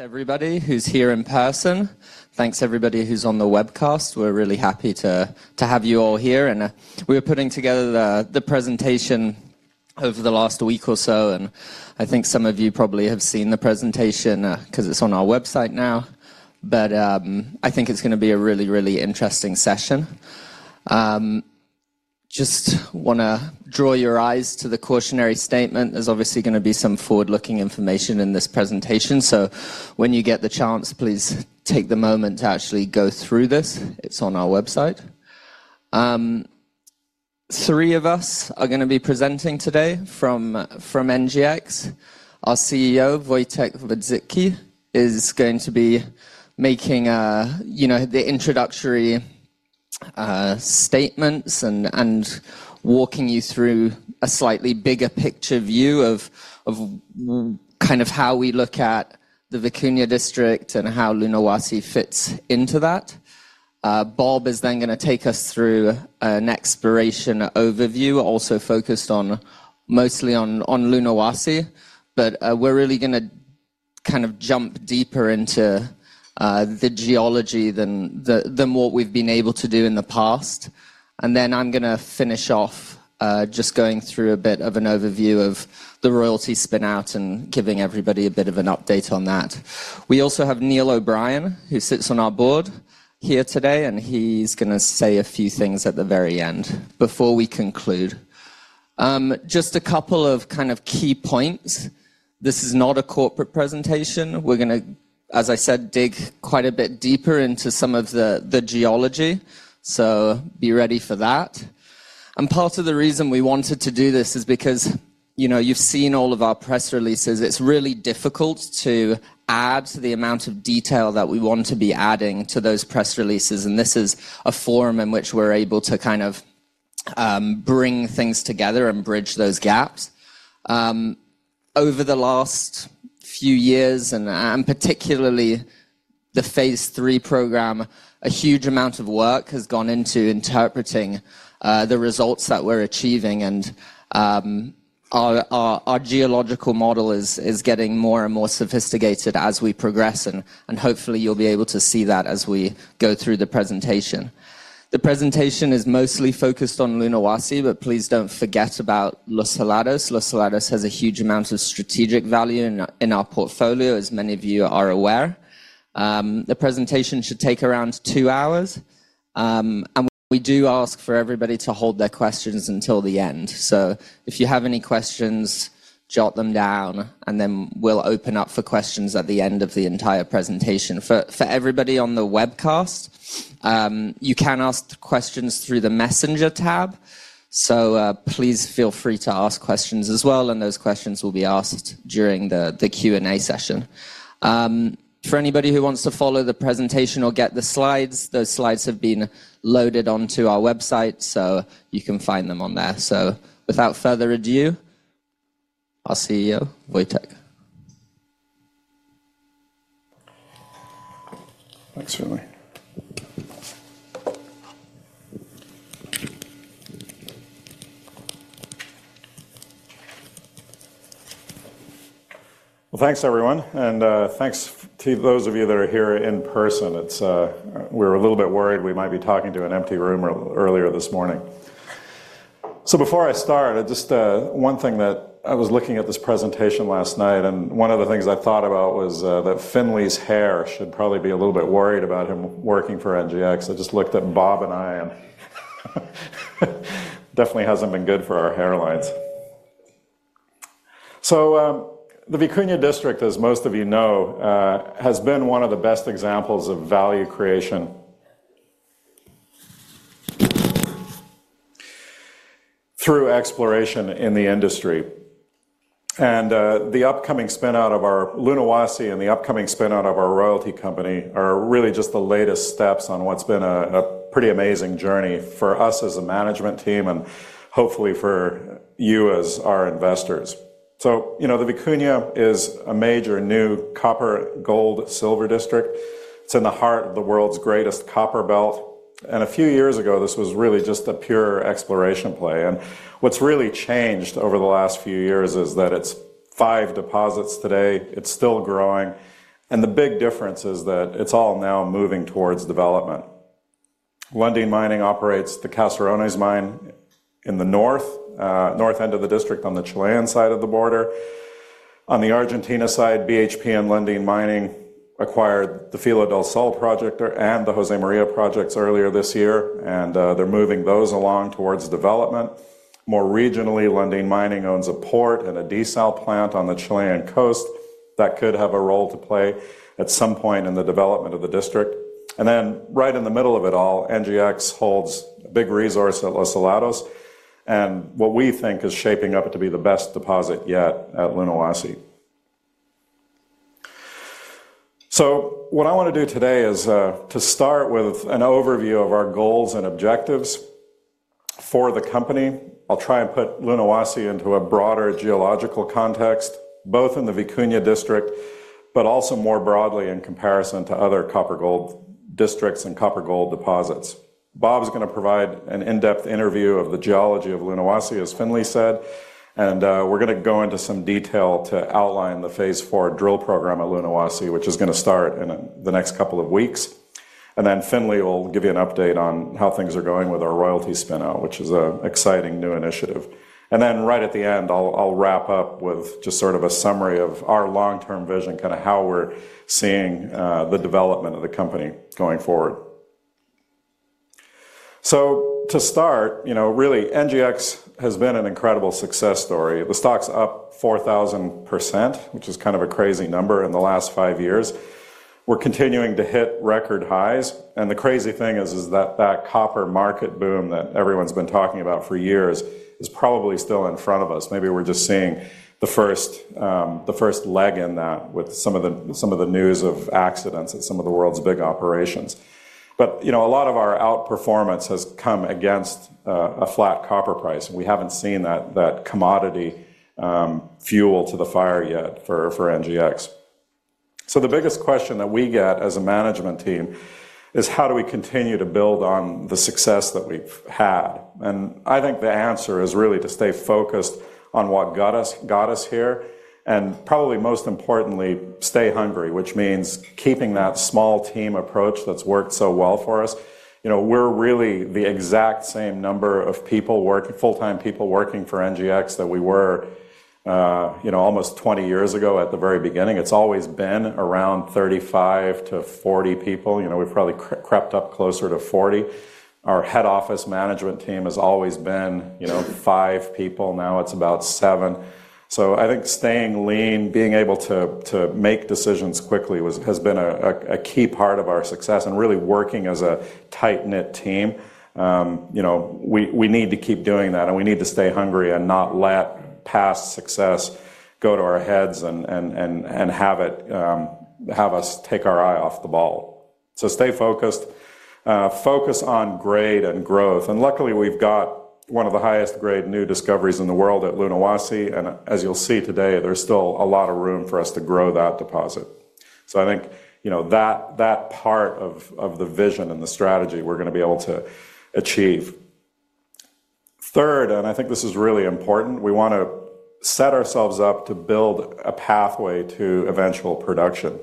Everybody who's here in person, thanks. Everybody who's on the webcast, we're really happy to have you all here. We're putting together the presentation over the last week or so, and I think some of you probably have seen the presentation because it's on our website now. I think it's going to be a really, really interesting session. Just want to draw your eyes to the cautionary statement. There's obviously going to be some forward-looking information in this presentation. When you get the chance, please take the moment to actually go through this. It's on our website. Three of us are going to be presenting today from NGEx. Our CEO, Wojtek Wodzicki, is going to be making the introductory statements and walking you through a slightly bigger picture view of kind of how we look at the Vicuña District and how Lunahuasi fits into that. Bob is then going to take us through an exploration overview, also focused mostly on Lunahuasi. We're really going to kind of jump deeper into the geology than what we've been able to do in the past. I'm going to finish off just going through a bit of an overview of the royalty spin-out and giving everybody a bit of an update on that. We also have Neil O’Brien, who sits on our board here today, and he's going to say a few things at the very end before we conclude. Just a couple of kind of key points. This is not a corporate presentation. We're going to, as I said, dig quite a bit deeper into some of the geology. Be ready for that. Part of the reason we wanted to do this is because you've seen all of our press releases. It's really difficult to add to the amount of detail that we want to be adding to those press releases. This is a forum in which we're able to kind of bring things together and bridge those gaps. Over the last few years, and particularly the phase III program, a huge amount of work has gone into interpreting the results that we're achieving. Our geological model is getting more and more sophisticated as we progress. Hopefully, you'll be able to see that as we go through the presentation. The presentation is mostly focused on Lunahuasi, but please don't forget about Los Helados. Los Helados has a huge amount of strategic value in our portfolio, as many of you are aware. The presentation should take around two hours. We do ask for everybody to hold their questions until the end. If you have any questions, jot them down, and then we'll open up for questions at the end of the entire presentation. For everybody on the webcast, you can ask questions through the Messenger tab. Please feel free to ask questions as well, and those questions will be asked during the Q&A session. For anybody who wants to follow the presentation or get the slides, those slides have been loaded onto our website, so you can find them on there. Without further ado, our CEO, Wojtek. Thanks, everyone. Thanks to those of you that are here in person. We were a little bit worried we might be talking to an empty room earlier this morning. Before I start, just one thing that I was looking at this presentation last night, and one of the things I thought about was that Finlay's hair should probably be a little bit worried about him working for NGEx. I just looked at Bob and I, and it definitely hasn't been good for our hairlines. The Vicuña District, as most of you know, has been one of the best examples of value creation through exploration in the industry. The upcoming spin-out of our Lunahuasi and the upcoming spin-out of our royalty company are really just the latest steps on what's been a pretty amazing journey for us as a management team and hopefully for you as our investors. The Vicuña is a major new copper, gold, silver district. It's in the heart of the world's greatest copper belt. A few years ago, this was really just a pure exploration play. What's really changed over the last few years is that it's five deposits today. It's still growing. The big difference is that it's all now moving towards development. Lundin Mining operates the Caserones mine in the north end of the district on the Chilean side of the border. On the Argentina side, BHP and Lundin Mining acquired the Filo del Sol project and the Josemaria projects earlier this year. They're moving those along towards development. More regionally, Lundin Mining owns a port and a desal plant on the Chilean coast that could have a role to play at some point in the development of the district. Right in the middle of it all, NGEx holds a big resource at Los Helados and what we think is shaping up to be the best deposit yet at Lunahuasi. What I want to do today is to start with an overview of our goals and objectives for the company. I'll try and put Lunahuasi into a broader geological context, both in the Vicuña District, but also more broadly in comparison to other copper-gold districts and copper-gold deposits. Bob's going to provide an in-depth interview of the geology of Lunahuasi, as Finlay said. We're going to go into some detail to outline the phase IV drill program at Lunahuasi, which is going to start in the next couple of weeks. Finlay will give you an update on how things are going with our royalty spin-out, which is an exciting new initiative. Right at the end, I'll wrap up with just sort of a summary of our long-term vision, kind of how we're seeing the development of the company going forward. To start, NGEx has been an incredible success story. The stock's up 4,000%, which is kind of a crazy number in the last five years. We're continuing to hit record highs. The crazy thing is that copper market boom that everyone's been talking about for years is probably still in front of us. Maybe we're just seeing the first leg in that with some of the news of accidents at some of the world's big operations. A lot of our outperformance has come against a flat copper price. We haven't seen that commodity fuel to the fire yet for NGEx. The biggest question that we get as a management team is how do we continue to build on the success that we've had? I think the answer is really to stay focused on what got us here and probably most importantly, stay hungry, which means keeping that small team approach that's worked so well for us. We're really the exact same number of full-time people working for NGEx that we were almost 20 years ago at the very beginning. It's always been around 35-40 people. We've probably crept up closer to 40. Our head office management team has always been five people. Now it's about seven. I think staying lean, being able to make decisions quickly has been a key part of our success and really working as a tight-knit team. We need to keep doing that. We need to stay hungry and not let past success go to our heads and have it have us take our eye off the ball. Stay focused. Focus on grade and growth. Luckily, we've got one of the highest-grade new discoveries in the world at Lunahuasi. As you'll see today, there's still a lot of room for us to grow that deposit. I think that part of the vision and the strategy we're going to be able to achieve. Third, and I think this is really important, we want to set ourselves up to build a pathway to eventual production.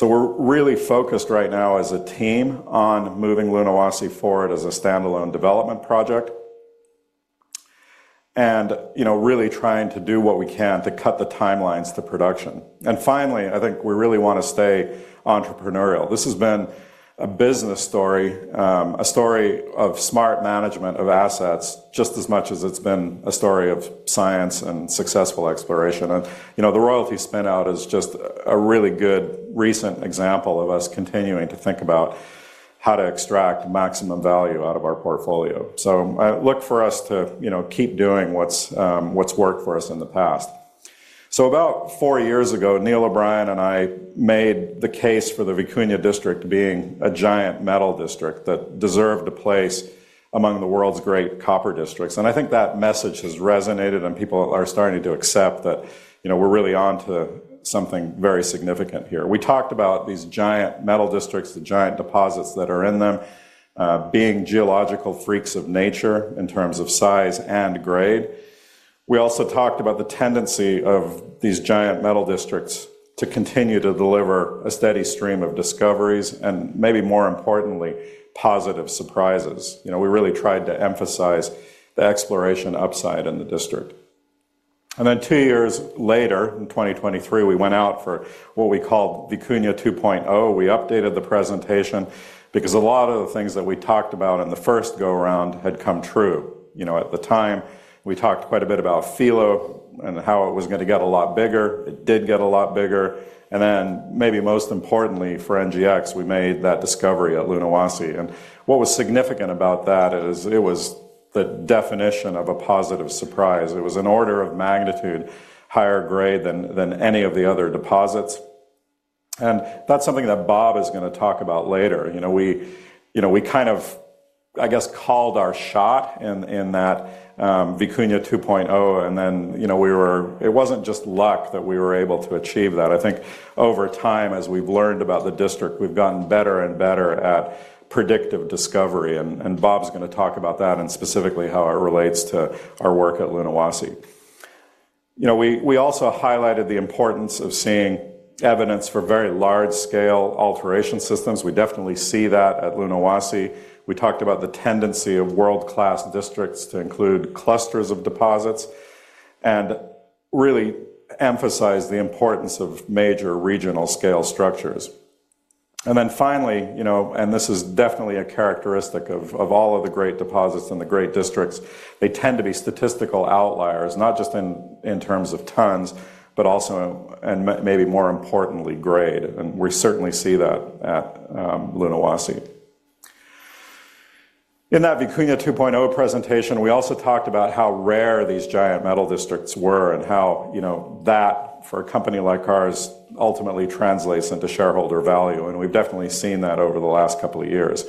We're really focused right now as a team on moving Lunahuasi forward as a standalone development project and really trying to do what we can to cut the timelines to production. Finally, I think we really want to stay entrepreneurial. This has been a business story, a story of smart management of assets just as much as it's been a story of science and successful exploration. The royalty spin-out is just a really good recent example of us continuing to think about how to extract maximum value out of our portfolio. I look for us to keep doing what's worked for us in the past. About four years ago, Neil O’Brien and I made the case for the Vicuña District being a giant metal district that deserved a place among the world's great copper districts. I think that message has resonated, and people are starting to accept that we're really on to something very significant here. We talked about these giant metal districts, the giant deposits that are in them, being geological freaks of nature in terms of size and grade. We also talked about the tendency of these giant metal districts to continue to deliver a steady stream of discoveries and maybe more importantly, positive surprises. We really tried to emphasize the exploration upside in the district. Two years later, in 2023, we went out for what we called Vicuña 2.0. We updated the presentation because a lot of the things that we talked about in the first go-round had come true. At the time, we talked quite a bit about Filo and how it was going to get a lot bigger. It did get a lot bigger. Maybe most importantly for NGEx, we made that discovery at Lunahuasi. What was significant about that is it was the definition of a positive surprise. It was an order of magnitude higher grade than any of the other deposits. That's something that Bob is going to talk about later. We kind of, I guess, called our shot in that Vicuña 2.0. It wasn't just luck that we were able to achieve that. I think over time, as we've learned about the district, we've gotten better and better at predictive discovery. Bob's going to talk about that and specifically how it relates to our work at Lunahuasi. We also highlighted the importance of seeing evidence for very large-scale alteration systems. We definitely see that at Lunahuasi. We talked about the tendency of world-class districts to include clusters of deposits and really emphasize the importance of major regional scale structures. Finally, you know, and this is definitely a characteristic of all of the great deposits and the great districts, they tend to be statistical outliers, not just in terms of tons, but also and maybe more importantly, grade. We certainly see that at Lunahuasi. In that Vicuña 2.0 presentation, we also talked about how rare these giant metal districts were and how, you know, that for a company like ours ultimately translates into shareholder value. We've definitely seen that over the last couple of years.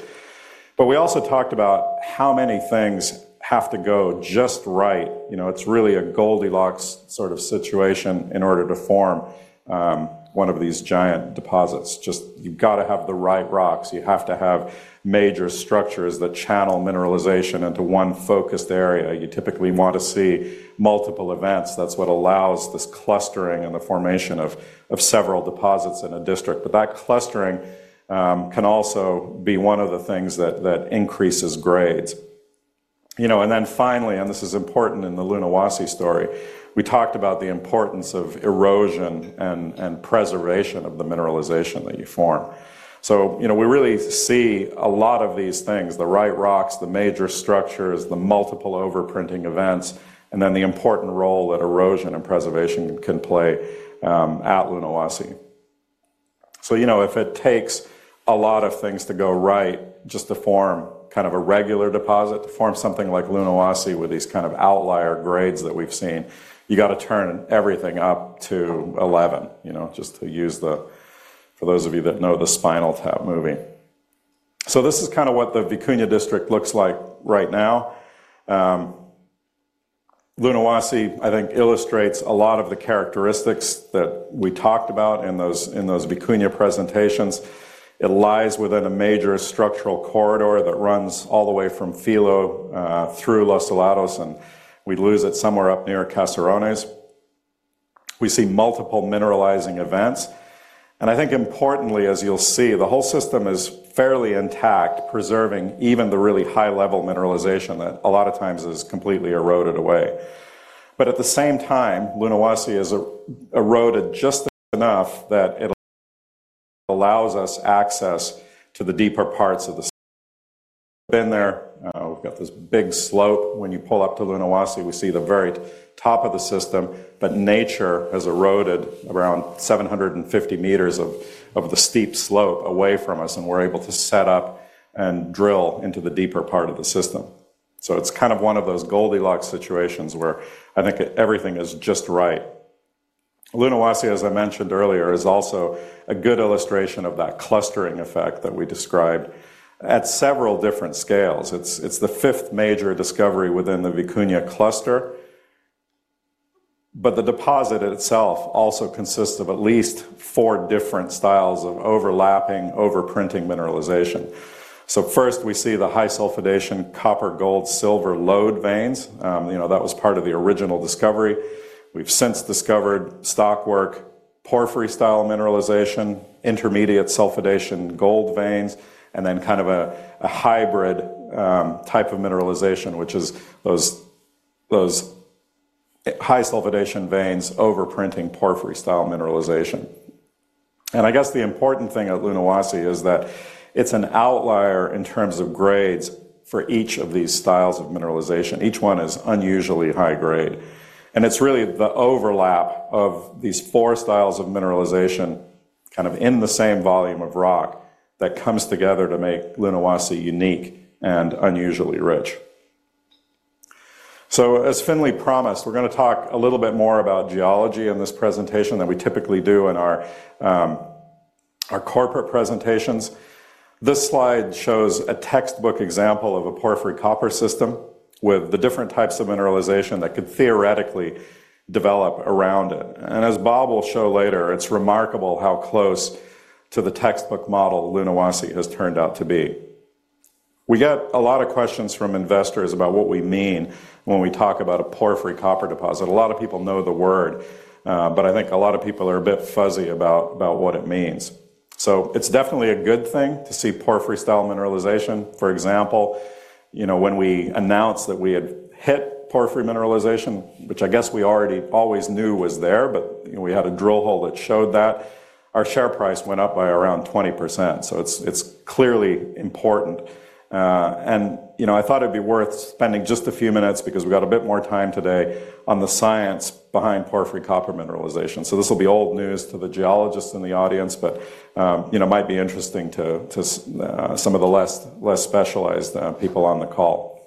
We also talked about how many things have to go just right. You know, it's really a Goldilocks sort of situation in order to form one of these giant deposits. You've got to have the right rocks. You have to have major structures that channel mineralization into one focused area. You typically want to see multiple events. That's what allows this clustering and the formation of several deposits in a district. That clustering can also be one of the things that increases grades. You know, finally, and this is important in the Lunahuasi story, we talked about the importance of erosion and preservation of the mineralization that you form. You know, we really see a lot of these things, the right rocks, the major structures, the multiple overprinting events, and then the important role that erosion and preservation can play at Lunahuasi. If it takes a lot of things to go right just to form kind of a regular deposit, to form something like Lunahuasi with these kind of outlier grades that we've seen, you got to turn everything up to 11, you know, just to use the, for those of you that know the Spinal Tap movie. This is kind of what the Vicuña District looks like right now. Lunahuasi, I think, illustrates a lot of the characteristics that we talked about in those Vicuña presentations. It lies within a major structural corridor that runs all the way from Filo through Los Helados, and we lose it somewhere up near Caserones. We see multiple mineralizing events. I think importantly, as you'll see, the whole system is fairly intact, preserving even the really high-level mineralization that a lot of times is completely eroded away. At the same time, Lunahuasi has eroded just enough that it allows us access to the deeper parts of the system. Been there. We've got this big slope. When you pull up to Lunahuasi, we see the very top of the system. Nature has eroded around 750 m of the steep slope away from us, and we're able to set up and drill into the deeper part of the system. It's kind of one of those Goldilocks situations where I think everything is just right. Lunahuasi, as I mentioned earlier, is also a good illustration of that clustering effect that we described at several different scales. It's the fifth major discovery within the Vicuña cluster. The deposit itself also consists of at least four different styles of overlapping, overprinting mineralization. First, we see the high sulfidation copper-gold-silver lode veins. That was part of the original discovery. We've since discovered stockwork, porphyry-style mineralization, intermediate sulfidation gold veins, and then kind of a hybrid type of mineralization, which is those high sulfidation veins overprinting porphyry-style mineralization. The important thing at Lunahuasi is that it's an outlier in terms of grades for each of these styles of mineralization. Each one is unusually high grade. It's really the overlap of these four styles of mineralization in the same volume of rock that comes together to make Lunahuasi unique and unusually rich. As Finlay promised, we're going to talk a little bit more about geology in this presentation than we typically do in our corporate presentations. This slide shows a textbook example of a porphyry copper system with the different types of mineralization that could theoretically develop around it. As Bob will show later, it's remarkable how close to the textbook model Lunahuasi has turned out to be. We get a lot of questions from investors about what we mean when we talk about a porphyry copper deposit. A lot of people know the word, but I think a lot of people are a bit fuzzy about what it means. It's definitely a good thing to see porphyry-style mineralization. For example, when we announced that we had hit porphyry mineralization, which I guess we always knew was there, but we had a drill hole that showed that, our share price went up by around 20%. It's clearly important. I thought it'd be worth spending just a few minutes because we've got a bit more time today on the science behind porphyry copper mineralization. This will be old news to the geologists in the audience, but it might be interesting to some of the less specialized people on the call.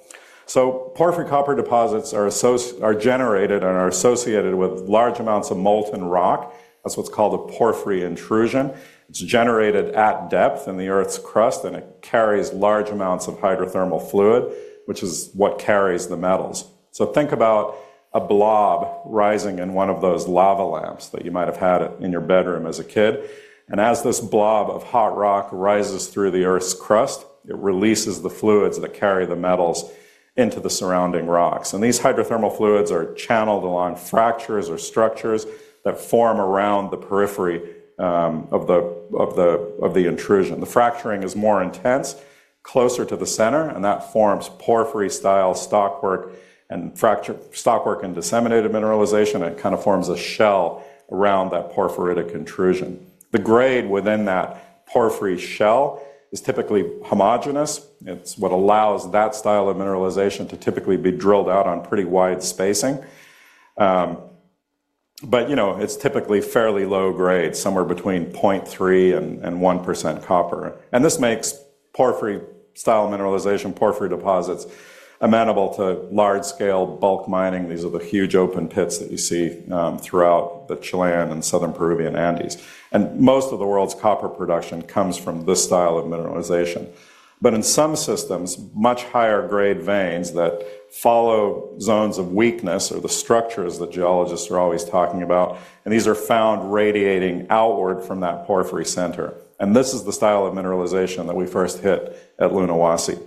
Porphyry copper deposits are generated and are associated with large amounts of molten rock. That's what's called a porphyry intrusion. It's generated at depth in the Earth's crust, and it carries large amounts of hydrothermal fluid, which is what carries the metals. Think about a blob rising in one of those lava lamps that you might have had in your bedroom as a kid. As this blob of hot rock rises through the Earth's crust, it releases the fluids that carry the metals into the surrounding rocks. These hydrothermal fluids are channeled along fractures or structures that form around the periphery of the intrusion. The fracturing is more intense, closer to the center, and that forms porphyry-style stockwork and disseminated mineralization. It kind of forms a shell around that porphyritic intrusion. The grade within that porphyry shell is typically homogeneous. It's what allows that style of mineralization to typically be drilled out on pretty wide spacing. It's typically fairly low grade, somewhere between 0.3% and 1% copper. This makes porphyry-style mineralization, porphyry deposits amenable to large-scale bulk mining. These are the huge open pits that you see throughout the Chilean and Southern Peruvian Andes. Most of the world's copper production comes from this style of mineralization. In some systems, much higher grade veins that follow zones of weakness are the structures that geologists are always talking about. These are found radiating outward from that porphyry center. This is the style of mineralization that we first hit at Lunahuasi.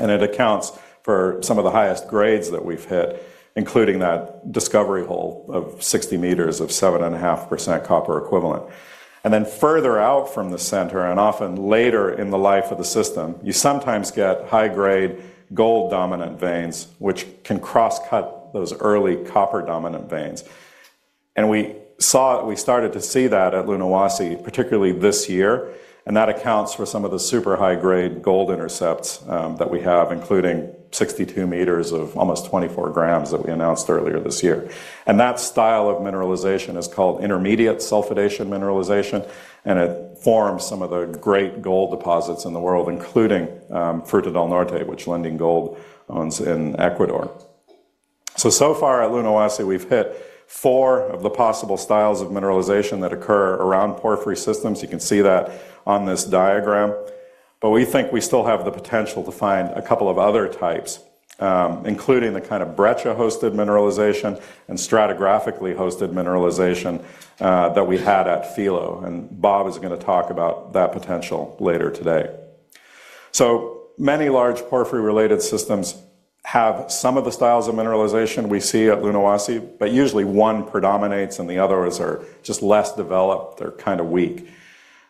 It accounts for some of the highest grades that we've hit, including that discovery hole of 60 m of 7.5% copper equivalent. Further out from the center, and often later in the life of the system, you sometimes get high-grade gold-dominant veins, which can cross-cut those early copper-dominant veins. We started to see that at Lunahuasi, particularly this year. That accounts for some of the super high-grade gold intercepts that we have, including 62 m of almost 24 g that we announced earlier this year. That style of mineralization is called intermediate sulfidation mineralization. It forms some of the great gold deposits in the world, including Fruta del Norte, which Lundin Gold owns in Ecuador. So far at Lunahuasi, we've hit four of the possible styles of mineralization that occur around porphyry systems. You can see that on this diagram. We think we still have the potential to find a couple of other types, including the kind of breccia-hosted mineralization and stratigraphically hosted mineralization that we had at Filo. Bob is going to talk about that potential later today. Many large porphyry-related systems have some of the styles of mineralization we see at Lunahuasi, but usually one predominates and the others are just less developed. They're kind of weak.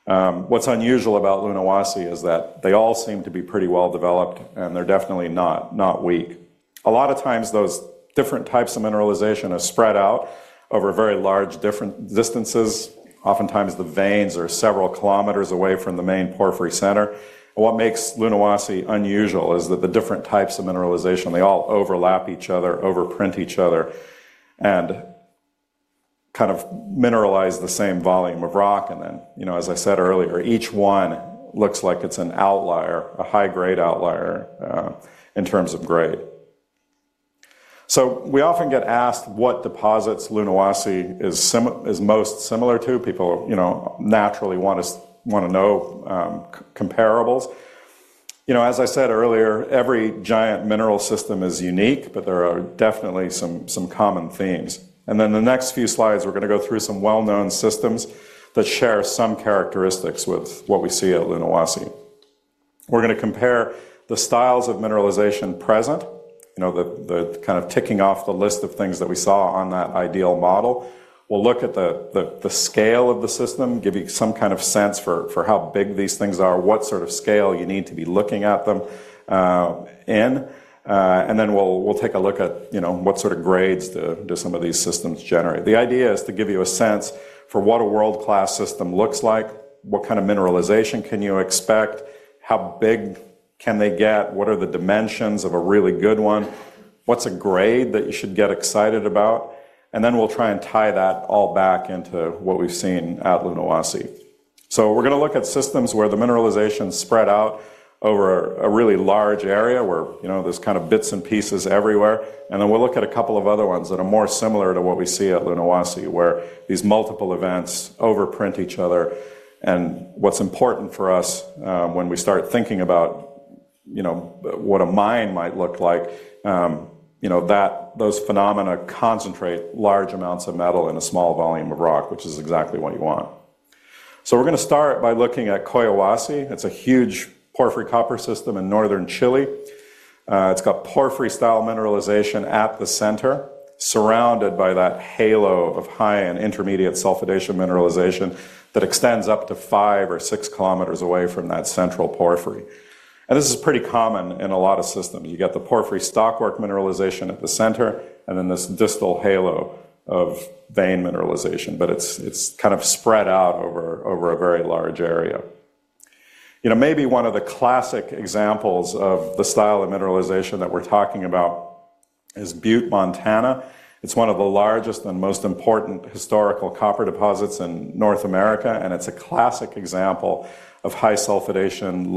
What's unusual about Lunahuasi is that they all seem to be pretty well developed, and they're definitely not weak. A lot of times, those different types of mineralization are spread out over very large different distances. Oftentimes, the veins are several kilometers away from the main porphyry center. What makes Lunahuasi unusual is that the different types of mineralization all overlap each other, overprint each other, and kind of mineralize the same volume of rock. As I said earlier, each one looks like it's an outlier, a high-grade outlier in terms of grade. We often get asked what deposits Lunahuasi is most similar to. People naturally want to know comparables. As I said earlier, every giant mineral system is unique, but there are definitely some common themes. In the next few slides, we're going to go through some well-known systems that share some characteristics with what we see at Lunahuasi. We're going to compare the styles of mineralization present, kind of ticking off the list of things that we saw on that ideal model. We'll look at the scale of the system, give you some kind of sense for how big these things are, what sort of scale you need to be looking at them in. We'll take a look at what sort of grades some of these systems generate. The idea is to give you a sense for what a world-class system looks like. What kind of mineralization can you expect? How big can they get? What are the dimensions of a really good one? What's a grade that you should get excited about? We'll try and tie that all back into what we've seen at Lunahuasi. We're going to look at systems where the mineralization is spread out over a really large area where there's kind of bits and pieces everywhere. We'll look at a couple of other ones that are more similar to what we see at Lunahuasi, where these multiple events overprint each other. What's important for us when we start thinking about what a mine might look like is that those phenomena concentrate large amounts of metal in a small volume of rock, which is exactly what you want. We are going to start by looking at. [inaudible] It's a huge porphyry copper system in Northern Chile. It's got porphyry-style mineralization at the center, surrounded by that halo of high and intermediate sulfidation mineralization that extends up to 5 km or 6 km away from that central porphyry. This is pretty common in a lot of systems. You get the porphyry stockwork mineralization at the center and then this distal halo of vein mineralization. It's kind of spread out over a very large area. Maybe one of the classic examples of the style of mineralization that we're talking about is Butte, Montana. It's one of the largest and most important historical copper deposits in North America. It's a classic example of a high sulfidation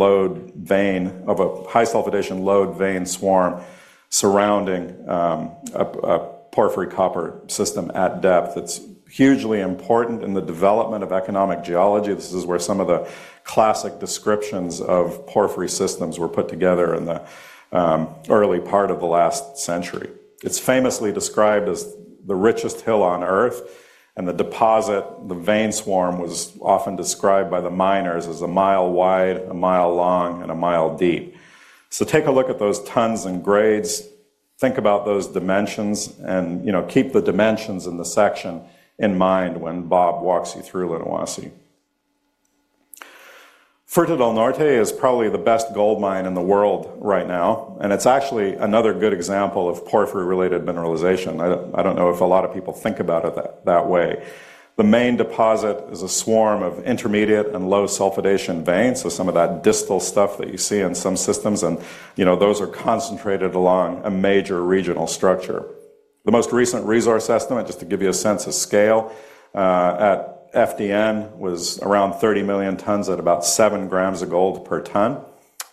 load vein swarm surrounding a porphyry copper system at depth. It's hugely important in the development of economic geology. This is where some of the classic descriptions of porphyry systems were put together in the early part of the last century. It's famously described as the richest hill on Earth. The deposit, the vein swarm, was often described by the miners as a mile wide, a mile long, and a mile deep. Take a look at those tons and grades. Think about those dimensions, and keep the dimensions in the section in mind when Bob walks you through Lunahuasi. Fruta del Norte is probably the best gold mine in the world right now. It's actually another good example of porphyry-related mineralization. I don't know if a lot of people think about it that way. The main deposit is a swarm of intermediate and low sulfidation veins, so some of that distal stuff that you see in some systems. Those are concentrated along a major regional structure. The most recent resource estimate, just to give you a sense of scale, at FDN was around 30 million tons at about 7 g of gold per ton.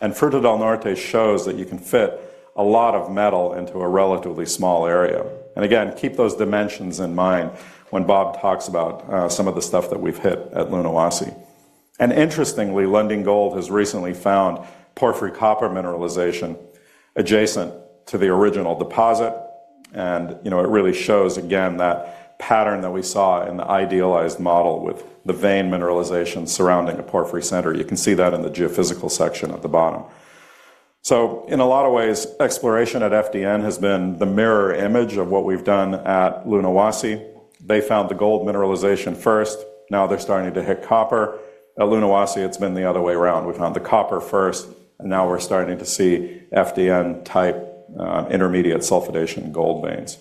Fruta del Norte shows that you can fit a lot of metal into a relatively small area. Again, keep those dimensions in mind when Bob talks about some of the stuff that we've hit at Lunahuasi. Interestingly, Lundin Gold has recently found porphyry copper mineralization adjacent to the original deposit. You know, it really shows again that pattern that we saw in the idealized model with the vein mineralization surrounding a porphyry center. You can see that in the geophysical section at the bottom. In a lot of ways, exploration at FDN has been the mirror image of what we've done at Lunahuasi. They found the gold mineralization first. Now they're starting to hit copper. At Lunahuasi, it's been the other way around. We found the copper first, and now we're starting to see FDN-type intermediate sulfidation gold veins.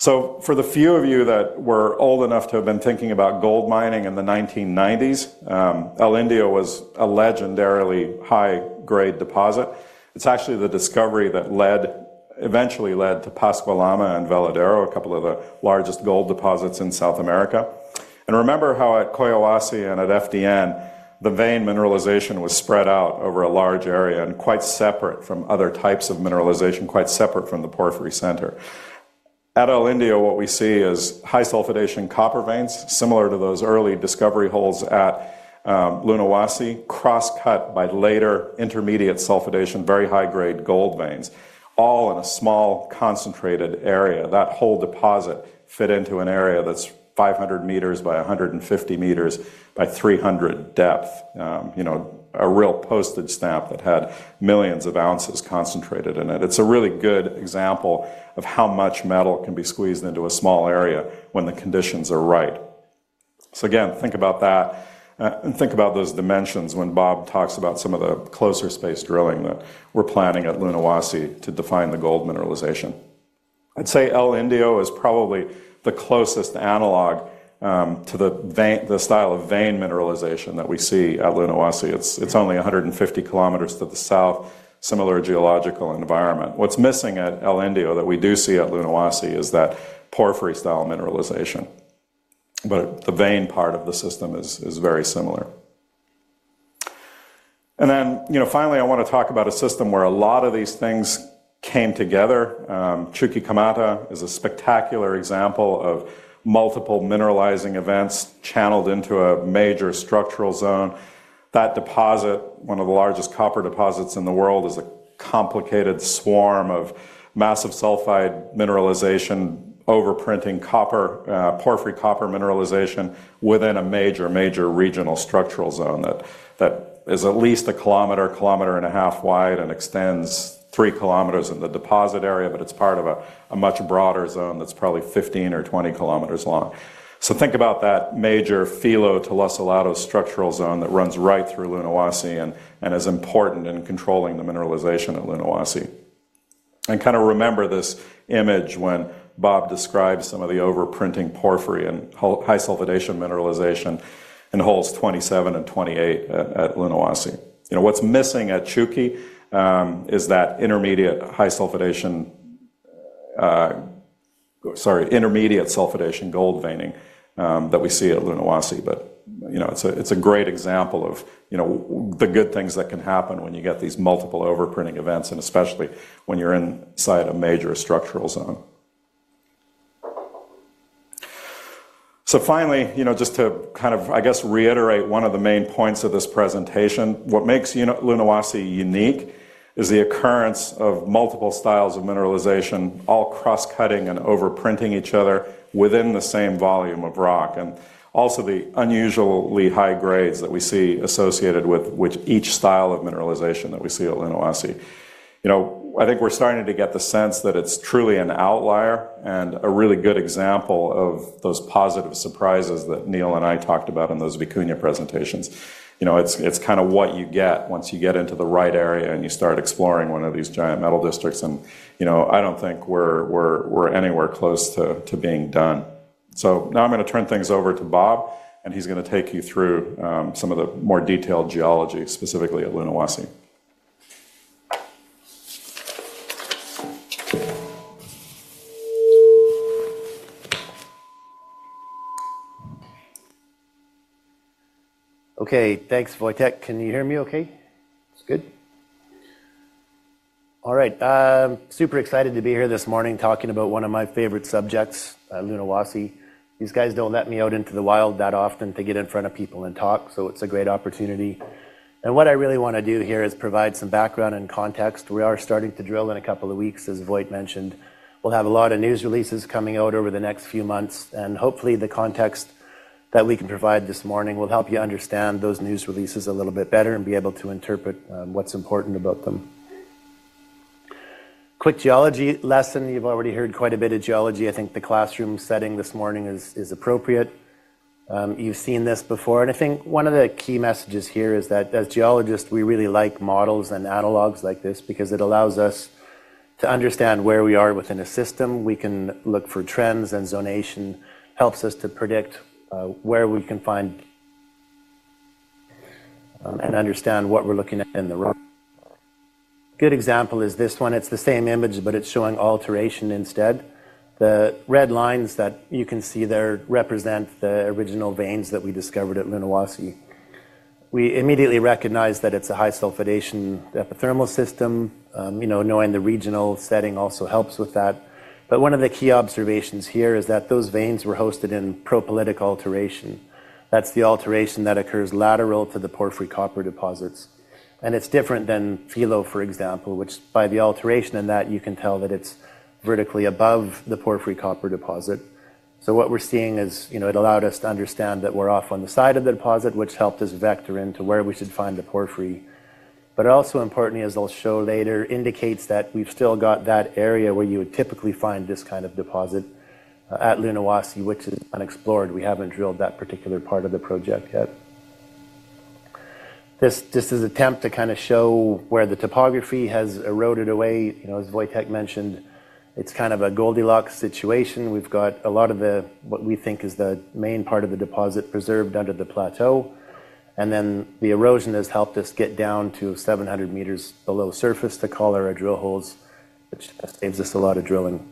For the few of you that were old enough to have been thinking about gold mining in the 1990s, El Indio was a legendarily high-grade deposit. It's actually the discovery that eventually led to Pascua-Lama and Veladero, a couple of the largest gold deposits in South America. Remember how at [inaudible] and at FDN, the vein mineralization was spread out over a large area and quite separate from other types of mineralization, quite separate from the porphyry center. At El Indio, what we see is high sulfidation copper veins, similar to those early discovery holes at Lunahuasi, cross-cut by later intermediate sulfidation, very high-grade gold veins, all in a small concentrated area. That whole deposit fit into an area that's 500 m by 150 m by 300 m depth. A real postage stamp that had millions of ounces concentrated in it. It's a really good example of how much metal can be squeezed into a small area when the conditions are right. Think about that, and think about those dimensions when Bob talks about some of the closer space drilling that we're planning at Lunahuasi to define the gold mineralization. I'd say El Indio is probably the closest analog to the style of vein mineralization that we see at Lunahuasi. It's only 150 km to the South, similar geological environment. What's missing at El Indio that we do see at Lunahuasi is that porphyry-style mineralization, but the vein part of the system is very similar. Finally, I want to talk about a system where a lot of these things came together. Chuquicamata is a spectacular example of multiple mineralizing events channeled into a major structural zone. That deposit, one of the largest copper deposits in the world, is a complicated swarm of massive sulfide mineralization, overprinting porphyry copper mineralization within a major, major regional structural zone that is at least 1 km, 1.5 km wide and extends 3 km in the deposit area. It's part of a much broader zone that's probably 15 km or 20 km long. Think about that major Filo to Los Helados structural zone that runs right through Lunahuasi and is important in controlling the mineralization at Lunahuasi. Remember this image when Bob describes some of the overprinting porphyry and high sulfidation mineralization in holes 27 and 28 at Lunahuasi. What's missing at Chuqu is that intermediate sulfidation gold veining that we see at Lunahuasi. It's a great example of the good things that can happen when you get these multiple overprinting events, especially when you're inside a major structural zone. Finally, just to reiterate one of the main points of this presentation, what makes Lunahuasi unique is the occurrence of multiple styles of mineralization, all cross-cutting and overprinting each other within the same volume of rock, and also the unusually high grades that we see associated with each style of mineralization that we see at Lunahuasi. I think we're starting to get the sense that it's truly an outlier and a really good example of those positive surprises that Neil and I talked about in those Vicuña presentations. It's kind of what you get once you get into the right area and you start exploring one of these giant metal districts. I don't think we're anywhere close to being done. Now I'm going to turn things over to Bob, and he's going to take you through some of the more detailed geology, specifically at Lunahuasi. OK, thanks, Wojtek. Can you hear me OK? It's good. All right. Super excited to be here this morning talking about one of my favorite subjects, Lunahuasi. These guys don't let me out into the wild that often to get in front of people and talk. It's a great opportunity. What I really want to do here is provide some background and context. We are starting to drill in a couple of weeks, as Wojtek mentioned. We'll have a lot of news releases coming out over the next few months. Hopefully, the context that we can provide this morning will help you understand those news releases a little bit better and be able to interpret what's important about them. Quick geology lesson. You've already heard quite a bit of geology. I think the classroom setting this morning is appropriate. You've seen this before. I think one of the key messages here is that as geologists, we really like models and analogs like this because it allows us to understand where we are within a system. We can look for trends, and zonation helps us to predict where we can find and understand what we're looking at in the road. A good example is this one. It's the same image, but it's showing alteration instead. The red lines that you can see there represent the original veins that we discovered at Lunahuasi. We immediately recognize that it's a high sulfidation epithermal system. Knowing the regional setting also helps with that. One of the key observations here is that those veins were hosted in propylitic alteration. That's the alteration that occurs lateral to the porphyry copper deposits. It's different than Filo, for example, which by the alteration in that, you can tell that it's vertically above the porphyry copper deposit. What we're seeing is, it allowed us to understand that we're off on the side of the deposit, which helped us vector into where we should find the porphyry. It also, importantly, as I'll show later, indicates that we've still got that area where you would typically find this kind of deposit at Lunahuasi, which is unexplored. We haven't drilled that particular part of the project yet. This is an attempt to kind of show where the topography has eroded away. As Wojtek mentioned, it's kind of a Goldilocks situation. We've got a lot of what we think is the main part of the deposit preserved under the plateau. The erosion has helped us get down to 700 m below surface to call our drill holes, which saves us a lot of drilling.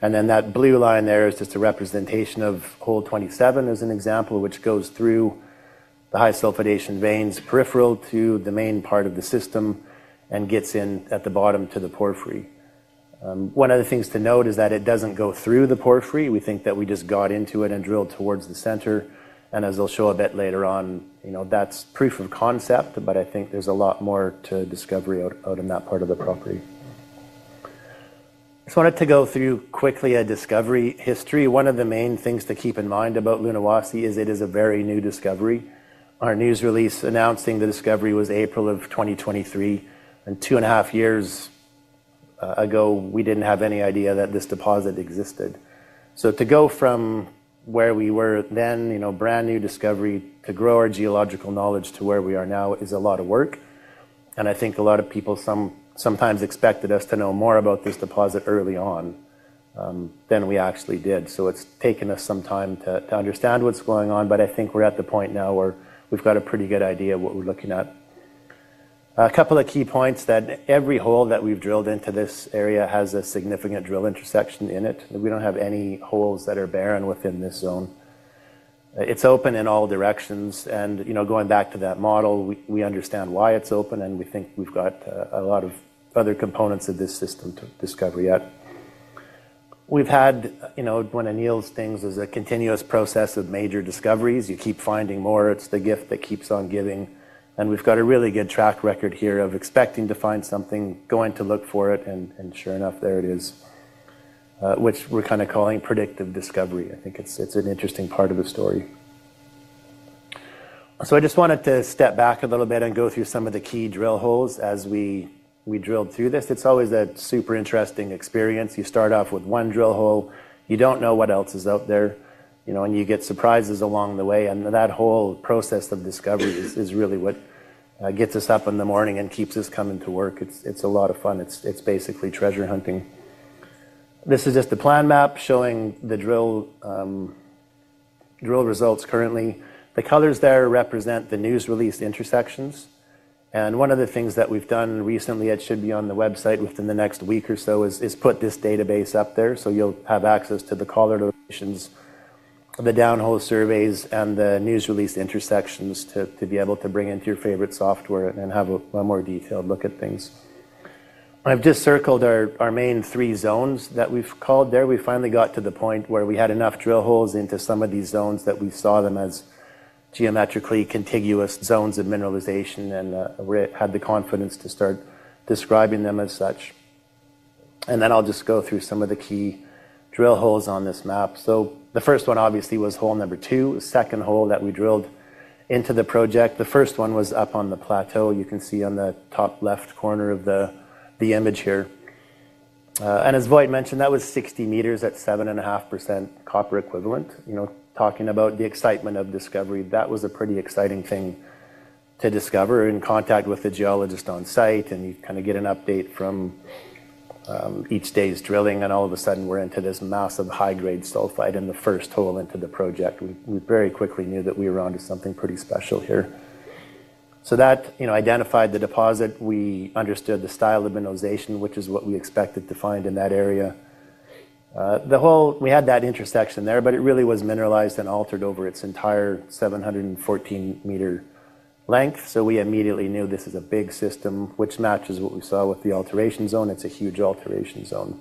That blue line there is just a representation of hole 27 as an example, which goes through the high sulfidation veins peripheral to the main part of the system and gets in at the bottom to the porphyry. One of the things to note is that it doesn't go through the porphyry. We think that we just got into it and drilled towards the center. As I'll show a bit later on, that's proof of concept. I think there's a lot more to discovery out in that part of the property. I just wanted to go through quickly a discovery history. One of the main things to keep in mind about Lunahuasi is it is a very new discovery. Our news release announcing the discovery was April of 2023. Two and a half years ago, we didn't have any idea that this deposit existed. To go from where we were then, brand new discovery, to grow our geological knowledge to where we are now is a lot of work. I think a lot of people sometimes expected us to know more about this deposit early on than we actually did. It's taken us some time to understand what's going on. I think we're at the point now where we've got a pretty good idea of what we're looking at. A couple of key points that every hole that we've drilled into this area has a significant drill intersection in it. We don't have any holes that are barren within this zone. It's open in all directions. Going back to that model, we understand why it's open. We think we've got a lot of other components of this system to discover yet. We've had, you know, one of Neil's things is a continuous process of major discoveries. You keep finding more. It's the gift that keeps on giving. We've got a really good track record here of expecting to find something, going to look for it, and sure enough, there it is, which we're kind of calling predictive discovery. I think it's an interesting part of the story. I just wanted to step back a little bit and go through some of the key drill holes as we drilled through this. It's always a super interesting experience. You start off with one drill hole. You don't know what else is out there, and you get surprises along the way. That whole process of discovery is really what gets us up in the morning and keeps us coming to work. It's a lot of fun. It's basically treasure hunting. This is just a plan map showing the drill results currently. The colors there represent the news release intersections. One of the things that we've done recently, it should be on the website within the next week or so, is put this database up there. You'll have access to the collar notations, the downhole surveys, and the news release intersections to be able to bring into your favorite software and have a more detailed look at things. I've just circled our main three zones that we've called there. We finally got to the point where we had enough drill holes into some of these zones that we saw them as geometrically contiguous zones of mineralization and had the confidence to start describing them as such. I'll just go through some of the key drill holes on this map. The first one obviously was hole number two, the second hole that we drilled into the project. The first one was up on the plateau. You can see on the top left corner of the image here. As Wojtek mentioned, that was 60 m at 7.5% copper equivalent. Talking about the excitement of discovery, that was a pretty exciting thing to discover in contact with the geologist on site. You kind of get an update from each day's drilling. All of a sudden, we're into this massive high-grade sulfide in the first hole into the project. We very quickly knew that we were onto something pretty special here. That identified the deposit. We understood the style of mineralization, which is what we expected to find in that area. The hole, we had that intersection there, but it really was mineralized and altered over its entire 714 m length. We immediately knew this is a big system, which matches what we saw with the alteration zone. It's a huge alteration zone.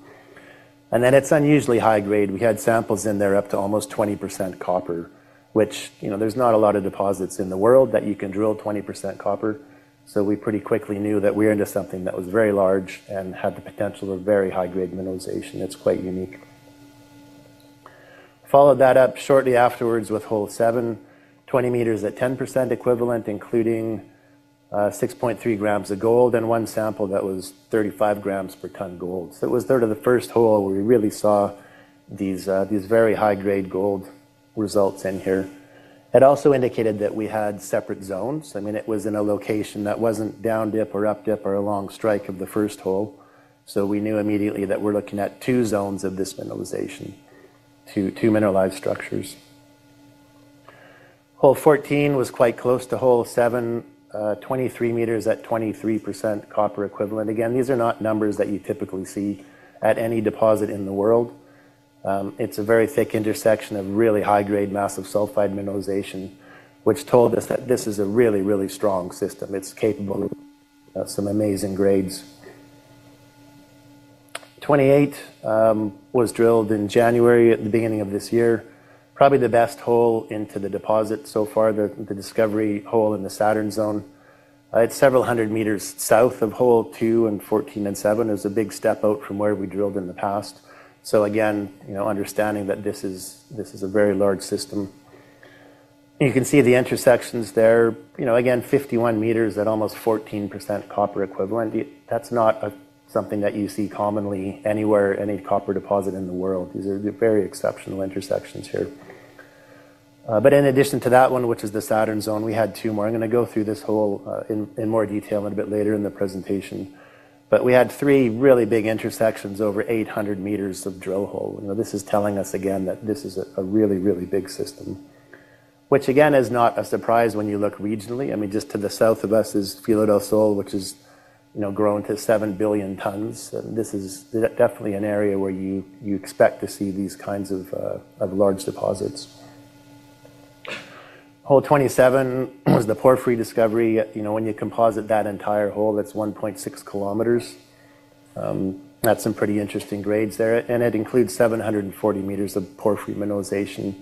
It's unusually high grade. We had samples in there up to almost 20% copper, which, you know, there's not a lot of deposits in the world that you can drill 20% copper. We pretty quickly knew that we were into something that was very large and had the potential of very high-grade mineralization. It's quite unique. Followed that up shortly afterwards with hole seven, 20 m at 10% equivalent, including 6.3 g of gold and one sample that was 35 g/t gold. It was sort of the first hole where we really saw these very high-grade gold results in here. It also indicated that we had separate zones. I mean, it was in a location that wasn't down dip or up dip or along strike of the first hole. We knew immediately that we're looking at two zones of this mineralization, two mineralized structures. Hole 14 was quite close to hole seven, 23 m at 23% copper equivalent. These are not numbers that you typically see at any deposit in the world. It's a very thick intersection of really high-grade massive sulfide mineralization, which told us that this is a really, really strong system. It's capable of some amazing grades. Hole 28 was drilled in January at the beginning of this year, probably the best hole into the deposit so far, the discovery hole in the Saturn zone. It's several hundred meters south of hole two and 14 and seven. It was a big step out from where we drilled in the past. You know, understanding that this is a very large system. You can see the intersections there, 51 m at almost 14% copper equivalent. That's not something that you see commonly anywhere, any copper deposit in the world. These are very exceptional intersections here. In addition to that one, which is the Saturn zone, we had two more. I'm going to go through this hole in more detail a bit later in the presentation. We had three really big intersections over 800 m of drill hole. This is telling us again that this is a really, really big system, which again is not a surprise when you look regionally. Just to the south of us is Filo del Sol, which has grown to 7 billion tons. This is definitely an area where you expect to see these kinds of large deposits. Hole 27 was the porphyry discovery. When you composite that entire hole, it's 1.6 km. That's some pretty interesting grades there. It includes 740 m of porphyry mineralization.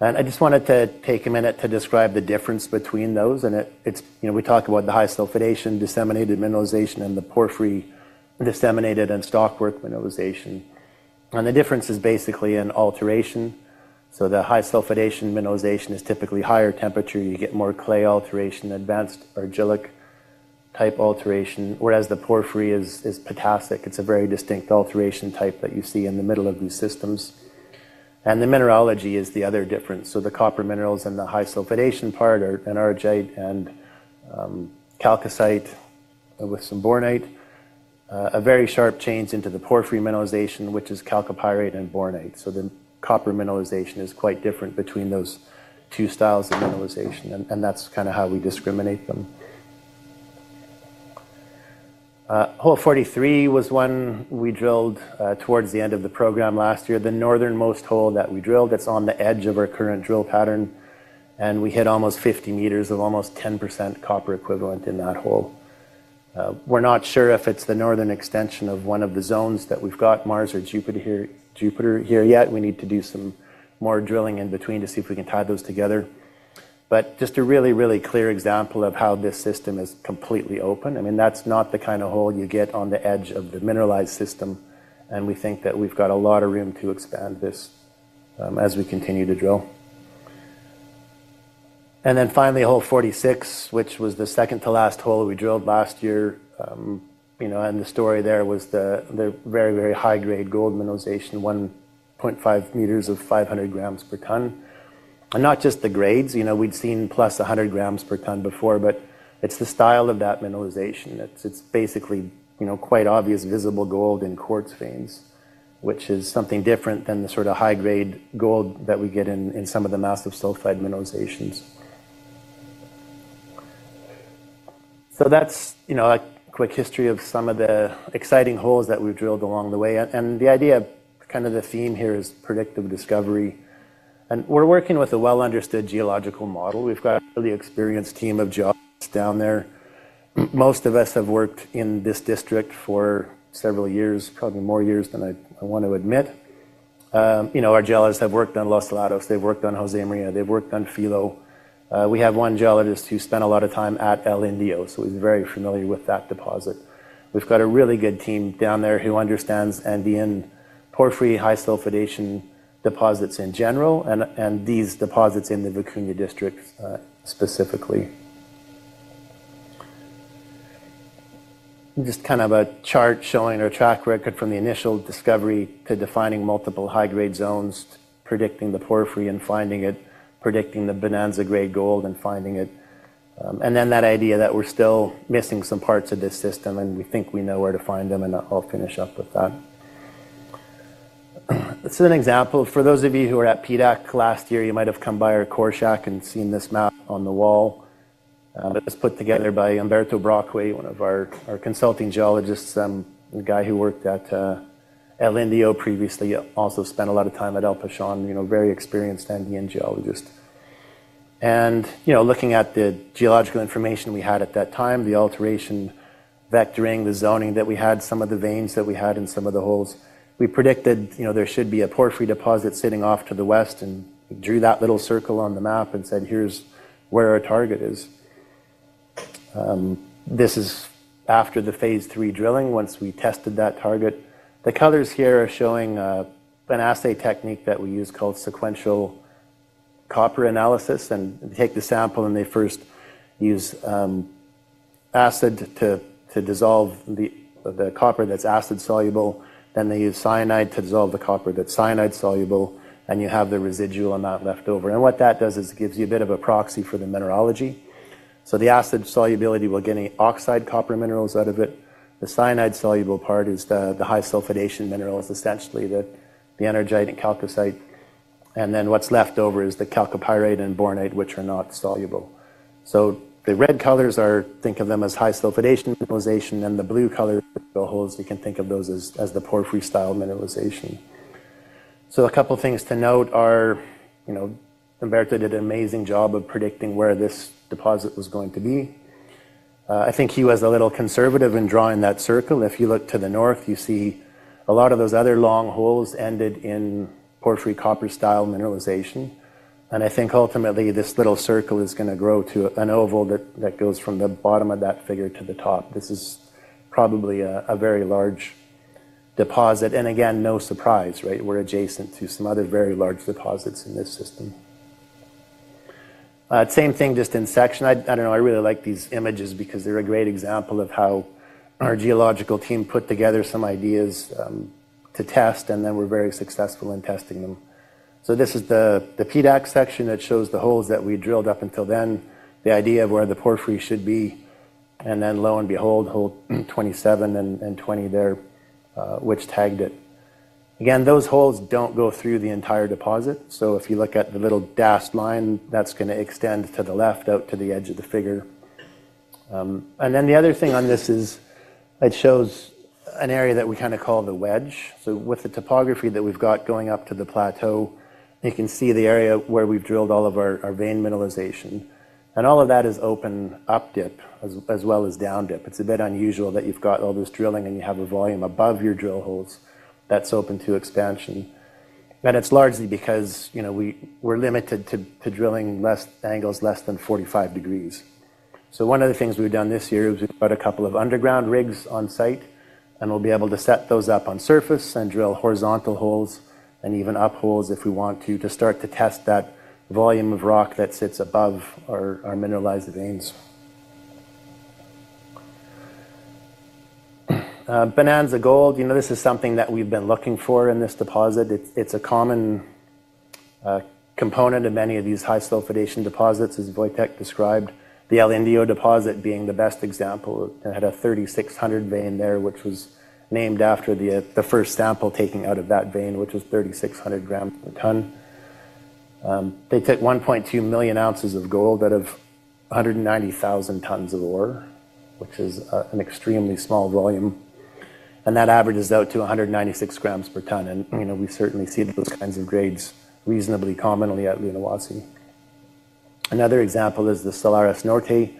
I just wanted to take a minute to describe the difference between those. We talk about the high sulfidation disseminated mineralization and the porphyry disseminated and stockwork mineralization. The difference is basically in alteration. The high sulfidation mineralization is typically higher temperature. You get more clay alteration, advanced argillic type alteration, whereas the porphyry is potassic. It's a very distinct alteration type that you see in the middle of these systems. The mineralogy is the other difference. The copper minerals in the high sulfidation part are enargite and chalcocite with some bornite, a very sharp change into the porphyry mineralization, which is chalcopyrite and bornite. The copper mineralization is quite different between those two styles of mineralization, and that's kind of how we discriminate them. Hole 43 was one we drilled towards the end of the program last year, the Northernmost hole that we drilled that's on the edge of our current drill pattern. We hit almost 50 m of almost 10% copper equivalent in that hole. We're not sure if it's the Northern extension of one of the zones that we've got, Mars or Jupiter, here yet. We need to do some more drilling in between to see if we can tie those together. Just a really, really clear example of how this system is completely open. I mean, that's not the kind of hole you get on the edge of the mineralized system. We think that we've got a lot of room to expand this as we continue to drill. Finally, hole 46, which was the second to last hole we drilled last year, the story there was the very, very high-grade gold mineralization, 1.5 m of 500 g/t. Not just the grades, we'd seen +100 g/t before, but it's the style of that mineralization. It's basically quite obvious, visible gold in quartz veins, which is something different than the sort of high-grade gold that we get in some of the massive sulfide mineralizations. That's a quick history of some of the exciting holes that we've drilled along the way. The idea, kind of the theme here, is predictive discovery. We're working with a well-understood geological model. We've got a really experienced team of geologists down there. Most of us have worked in this district for several years, probably more years than I want to admit. Our geologists have worked on Los Helados. They've worked on Josemaria. They've worked on Filo. We have one geologist who spent a lot of time at El Indio, so he's very familiar with that deposit. We've got a really good team down there who understands Andean porphyry, high sulfidation deposits in general, and these deposits in the Vicuña District specifically. Just kind of a chart showing our track record from the initial discovery to defining multiple high-grade zones, predicting the porphyry and finding it, predicting the Bonanza-grade gold and finding it. That idea that we're still missing some parts of this system, and we think we know where to find them, I'll finish up with that. This is an example. For those of you who were at PDAC last year, you might have come by our core shack and seen this map on the wall. It was put together by Humberto Brockway, one of our consulting geologists, the guy who worked at El Indio previously, also spent a lot of time at El Pachón, very experienced Andean geologist. Looking at the geological information we had at that time, the alteration, vectoring, the zoning that we had, some of the veins that we had in some of the holes, we predicted there should be a porphyry deposit sitting off to the West. We drew that little circle on the map and said, here's where our target is. This is after the phase III drilling, once we tested that target. The colors here are showing an assay technique that we use called sequential copper analysis. They take the sample, and they first use acid to dissolve the copper that's acid soluble. Then they use cyanide to dissolve the copper that's cyanide soluble. You have the residual and that left over. What that does is it gives you a bit of a proxy for the mineralogy. The acid solubility will get any oxide copper minerals out of it. The cyanide soluble part is the high sulfidation mineral, is essentially the enargite and chalcocite. What's left over is the chalcopyrite and bornite, which are not soluble. The red colors are, think of them as high sulfidation mineralization. The blue colored holes, you can think of those as the porphyry-style mineralization. A couple of things to note are, Humberto did an amazing job of predicting where this deposit was going to be. I think he was a little conservative in drawing that circle. If you look to the North, you see a lot of those other long holes ended in porphyry copper-style mineralization. I think ultimately this little circle is going to grow to an oval that goes from the bottom of that figure to the top. This is probably a very large deposit. No surprise, right? We're adjacent to some other very large deposits in this system. Same thing, distant section. I really like these images because they're a great example of how our geological team put together some ideas to test and were very successful in testing them. This is the PDAC section that shows the holes that we drilled up until then, the idea of where the porphyry should be. Lo and behold, hole 27 and 20 there, which tagged it. Those holes don't go through the entire deposit. If you look at the little dashed line, that's going to extend to the left out to the edge of the figure. The other thing on this is it shows an area that we kind of call the wedge. With the topography that we've got going up to the plateau, you can see the area where we've drilled all of our vein mineralization. All of that is open up dip as well as down dip. It's a bit unusual that you've got all this drilling and you have a volume above your drill holes that's open to expansion. It's largely because we're limited to drilling angles less than 45 degrees. One of the things we've done this year is we've got a couple of underground rigs on site. We'll be able to set those up on surface and drill horizontal holes and even up holes if we want to, to start to test that volume of rock that sits above our mineralized veins. Bonanza gold, this is something that we've been looking for in this deposit. It's a common component of many of these high sulfidation deposits, as Wojtek described, the El Indio deposit being the best example. It had a 3,600 vein there, which was named after the first sample taken out of that vein, which was 3,600 g/t. They took $1.2 million ounces of gold out of 190,000 tons of ore, which is an extremely small volume. That averages out to 196 g/t. We certainly see those kinds of grades reasonably commonly at Lunahuasi. Another example is the Solares Norte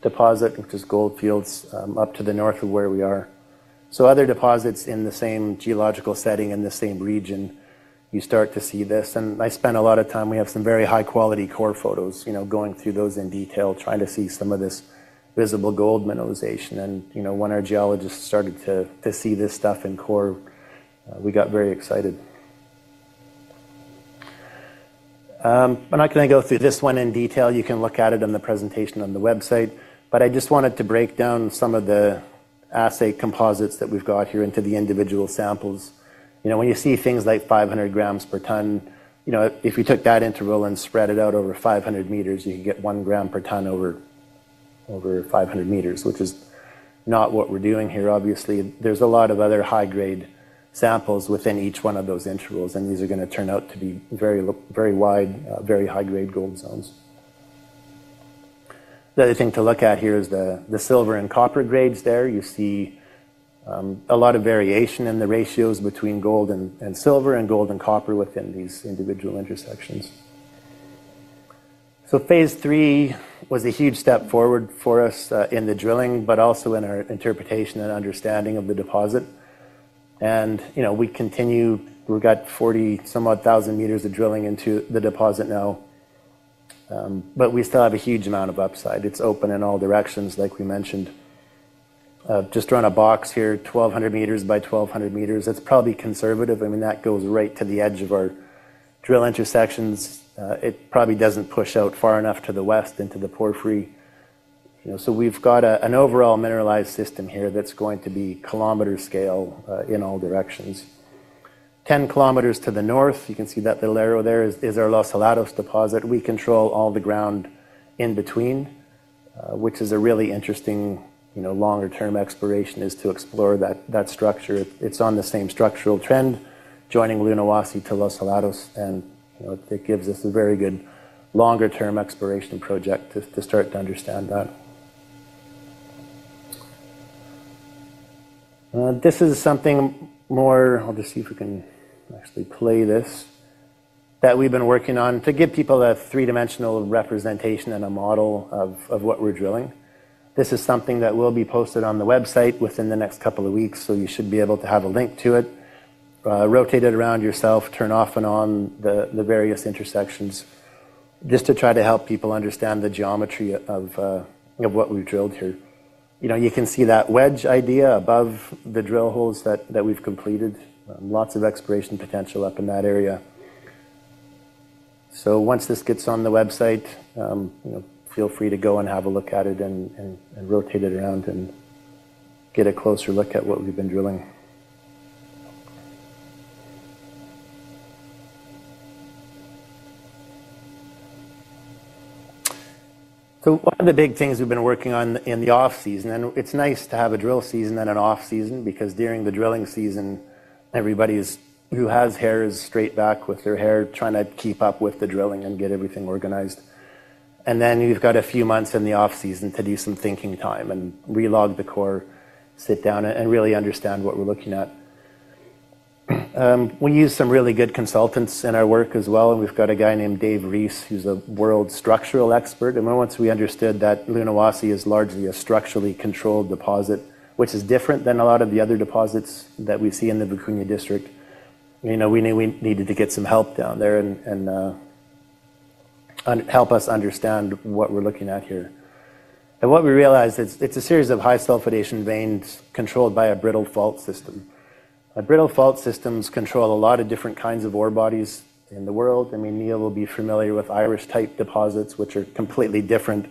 deposit, which is Gold Fields up to the North of where we are. Other deposits in the same geological setting in the same region, you start to see this. I spent a lot of time, we have some very high quality core photos, going through those in detail, trying to see some of this visible gold mineralization. When our geologists started to see this stuff in core, we got very excited. I'm not going to go through this one in detail. You can look at it in the presentation on the website. I just wanted to break down some of the assay composites that we've got here into the individual samles. You know, when you see things like 500 g/t, you know, if you took that interval and spread it out over 500 m, you could get 1 g/t over 500 m, which is not what we're doing here, obviously. There's a lot of other high-grade samples within each one of those intervals. These are going to turn out to be very, very wide, very high-grade gold zones. The other thing to look at here is the silver and copper grades there. You see a lot of variation in the ratios between gold and silver and gold and copper within these individual intersections. Phase III was a huge step forward for us in the drilling, but also in our interpretation and understanding of the deposit. You know, we continue. We've got 40-some-odd thousand meters of drilling into the deposit now. We still have a huge amount of upside. It's open in all directions, like we mentioned. Just drawing a box here, 1,200 m by 1,200 m. That's probably conservative. I mean, that goes right to the edge of our drill intersections. It probably doesn't push out far enough to the West into the porphyry. You know, we've got an overall mineralized system here that's going to be kilometer scale in all directions. 10 km to the North, you can see that little arrow there is our Los Helados deposit. We control all the ground in between, which is a really interesting, you know, longer-term exploration is to explore that structure. It's on the same structural trend joining Lunahuasi to Los Helados. It gives us a very good longer-term exploration project to start to understand that. This is something more, I'll just see if we can actually play this, that we've been working on to get people a three-dimensional representation and a model of what we're drilling. This is something that will be posted on the website within the next couple of weeks. You should be able to have a link to it. Rotate it around yourself, turn off and on the various intersections just to try to help people understand the geometry of what we've drilled here. You know, you can see that wedge idea above the drill holes that we've completed. Lots of exploration potential up in that area. Once this gets on the website, you know, feel free to go and have a look at it and rotate it around and get a closer look at what we've been drilling. One of the big things we've been working on in the off-season, and it's nice to have a drill season and an off-season because during the drilling season, everybody who has hair is straight back with their hair trying to keep up with the drilling and get everything organized. Then you've got a few months in the off-season to do some thinking time and relog the core, sit down, and really understand what we're looking at. We use some really good consultants in our work as well. We've got a guy named Dave Reese, who's a world structural expert. Once we understood that Lunahuasi is largely a structurally controlled deposit, which is different than a lot of the other deposits that we see in the Vicuña District, we knew we needed to get some help down there and help us understand what we're looking at here. What we realized is it's a series of high sulfidation veins controlled by a brittle fault system. Brittle fault systems control a lot of different kinds of ore bodies in the world. Neil will be familiar with Irish-type deposits, which are a completely different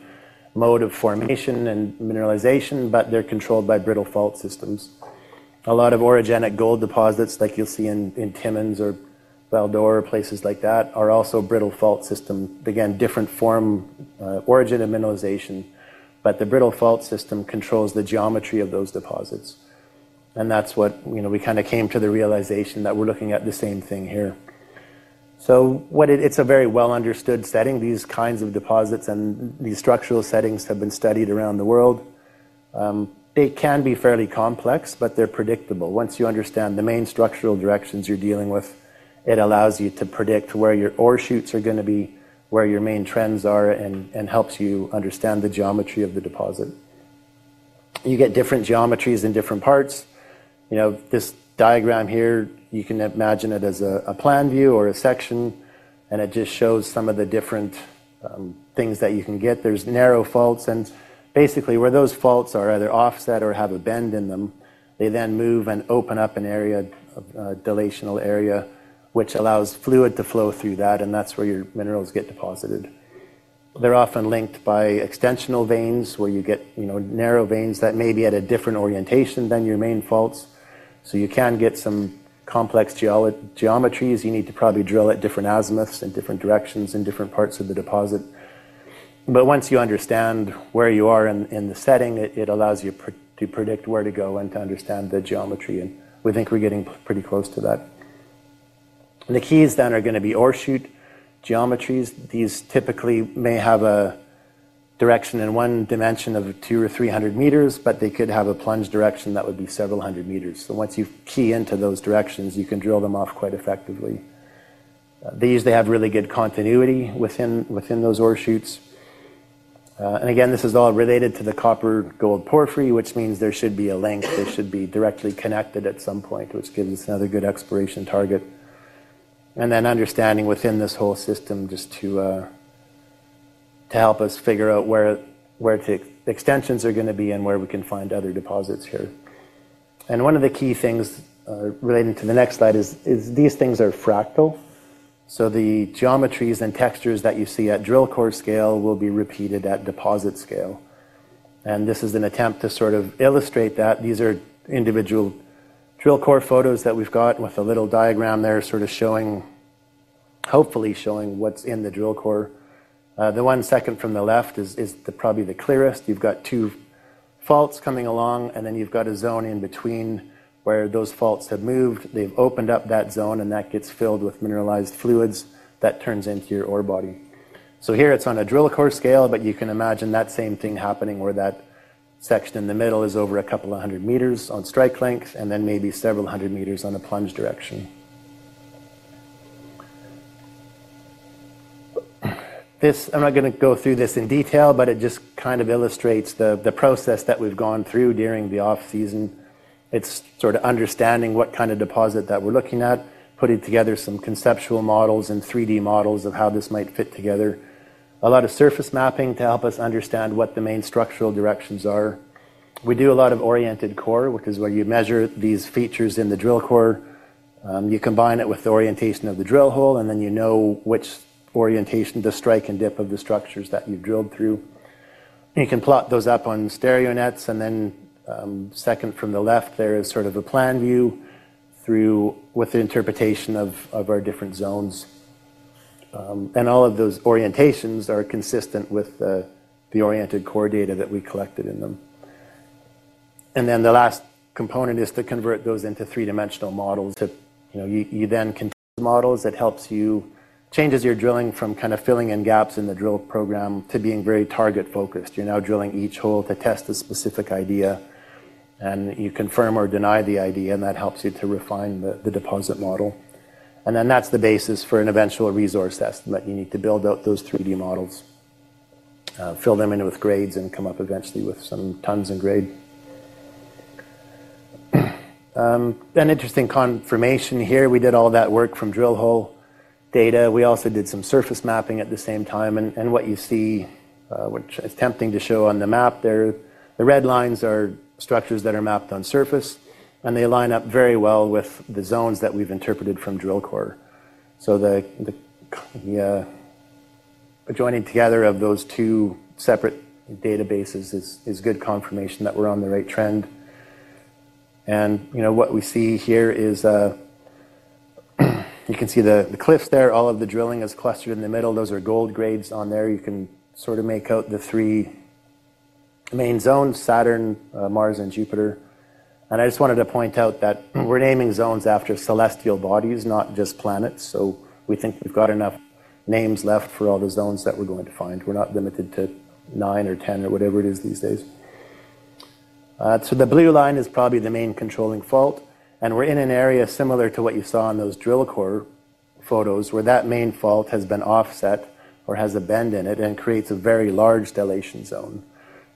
mode of formation and mineralization, but they're controlled by brittle fault systems. A lot of orogenic gold deposits, like you'll see in Timmins or Val-d'Or, places like that, are also brittle fault systems. Again, different form, origin, and mineralization, but the brittle fault system controls the geometry of those deposits. That's what we kind of came to the realization that we're looking at the same thing here. It's a very well-understood setting. These kinds of deposits and these structural settings have been studied around the world. They can be fairly complex, but they're predictable. Once you understand the main structural directions you're dealing with, it allows you to predict where your ore chutes are going to be, where your main trends are, and helps you understand the geometry of the deposit. You get different geometries in different parts. This diagram here, you can imagine it as a plan view or a section. It just shows some of the different things that you can get. There's narrow faults. Basically, where those faults are either offset or have a bend in them, they then move and open up an area of a dilational area, which allows fluid to flow through that. That's where your minerals get deposited. They're often linked by extensional veins, where you get narrow veins that may be at a different orientation than your main faults. You can get some complex geometries. You need to probably drill at different azimuths and different directions in different parts of the deposit. Once you understand where you are in the setting, it allows you to predict where to go and to understand the geometry. We think we're getting pretty close to that. The keys then are going to be ore chute geometries. These typically may have a direction in one dimension of 200 m or 300 m, but they could have a plunge direction that would be several hundred meters. Once you key into those directions, you can drill them off quite effectively. They usually have really good continuity within those ore chutes. This is all related to the copper-gold porphyry, which means there should be a link. It should be directly connected at some point, which gives us another good exploration target. Understanding within this whole system helps us figure out where the extensions are going to be and where we can find other deposits here. One of the key things relating to the next slide is these things are fractal. The geometries and textures that you see at drill core scale will be repeated at deposit scale. This is an attempt to illustrate that. These are individual drill core photos that we've got with a little diagram there showing, hopefully showing what's in the drill core. The one second from the left is probably the clearest. You've got two faults coming along, and then you've got a zone in between where those faults have moved. They've opened up that zone, and that gets filled with mineralized fluids that turns into your ore body. Here, it's on a drill core scale, but you can imagine that same thing happening where that section in the middle is over a couple of hundred meters on strike length and then maybe several hundred meters on the plunge direction. I'm not going to go through this in detail, but it illustrates the process that we've gone through during the off-season. It's understanding what kind of deposit that we're looking at, putting together some conceptual models and 3D models of how this might fit together. A lot of surface mapping to help us understand what the main structural directions are. We do a lot of oriented core, which is where you measure these features in the drill core. You combine it with the orientation of the drill hole, and then you know which orientation the strike and dip of the structures that you drilled through. You can plot those up on stereo nets. Second from the left, there is sort of a plan view with the interpretation of our different zones. All of those orientations are consistent with the oriented core data that we collected in them. The last component is to convert those into three-dimensional models. You then can model that helps you change your drilling from kind of filling in gaps in the drill program to being very target-focused. You're now drilling each hole to test a specific idea. You confirm or deny the idea, and that helps you to refine the deposit model. That's the basis for an eventual resource estimate. You need to build out those 3D models, fill them in with grades, and come up eventually with some tons and grade. An interesting confirmation here, we did all that work from drill hole data. We also did some surface mapping at the same time. What you see, which is tempting to show on the map there, the red lines are structures that are mapped on surface. They line up very well with the zones that we've interpreted from drill core. The joining together of those two separate databases is good confirmation that we're on the right trend. You know what we see here is you can see the cliffs there. All of the drilling is clustered in the middle. Those are gold grades on there. You can sort of make out the three main zones: Saturn, Mars, and Jupiter. I just wanted to point out that we're naming zones after celestial bodies, not just planets. We think we've got enough names left for all the zones that we're going to find. We're not limited to nine or 10 or whatever it is these days. The blue line is probably the main controlling fault. We're in an area similar to what you saw in those drill core photos where that main fault has been offset or has a bend in it and creates a very large dilation zone,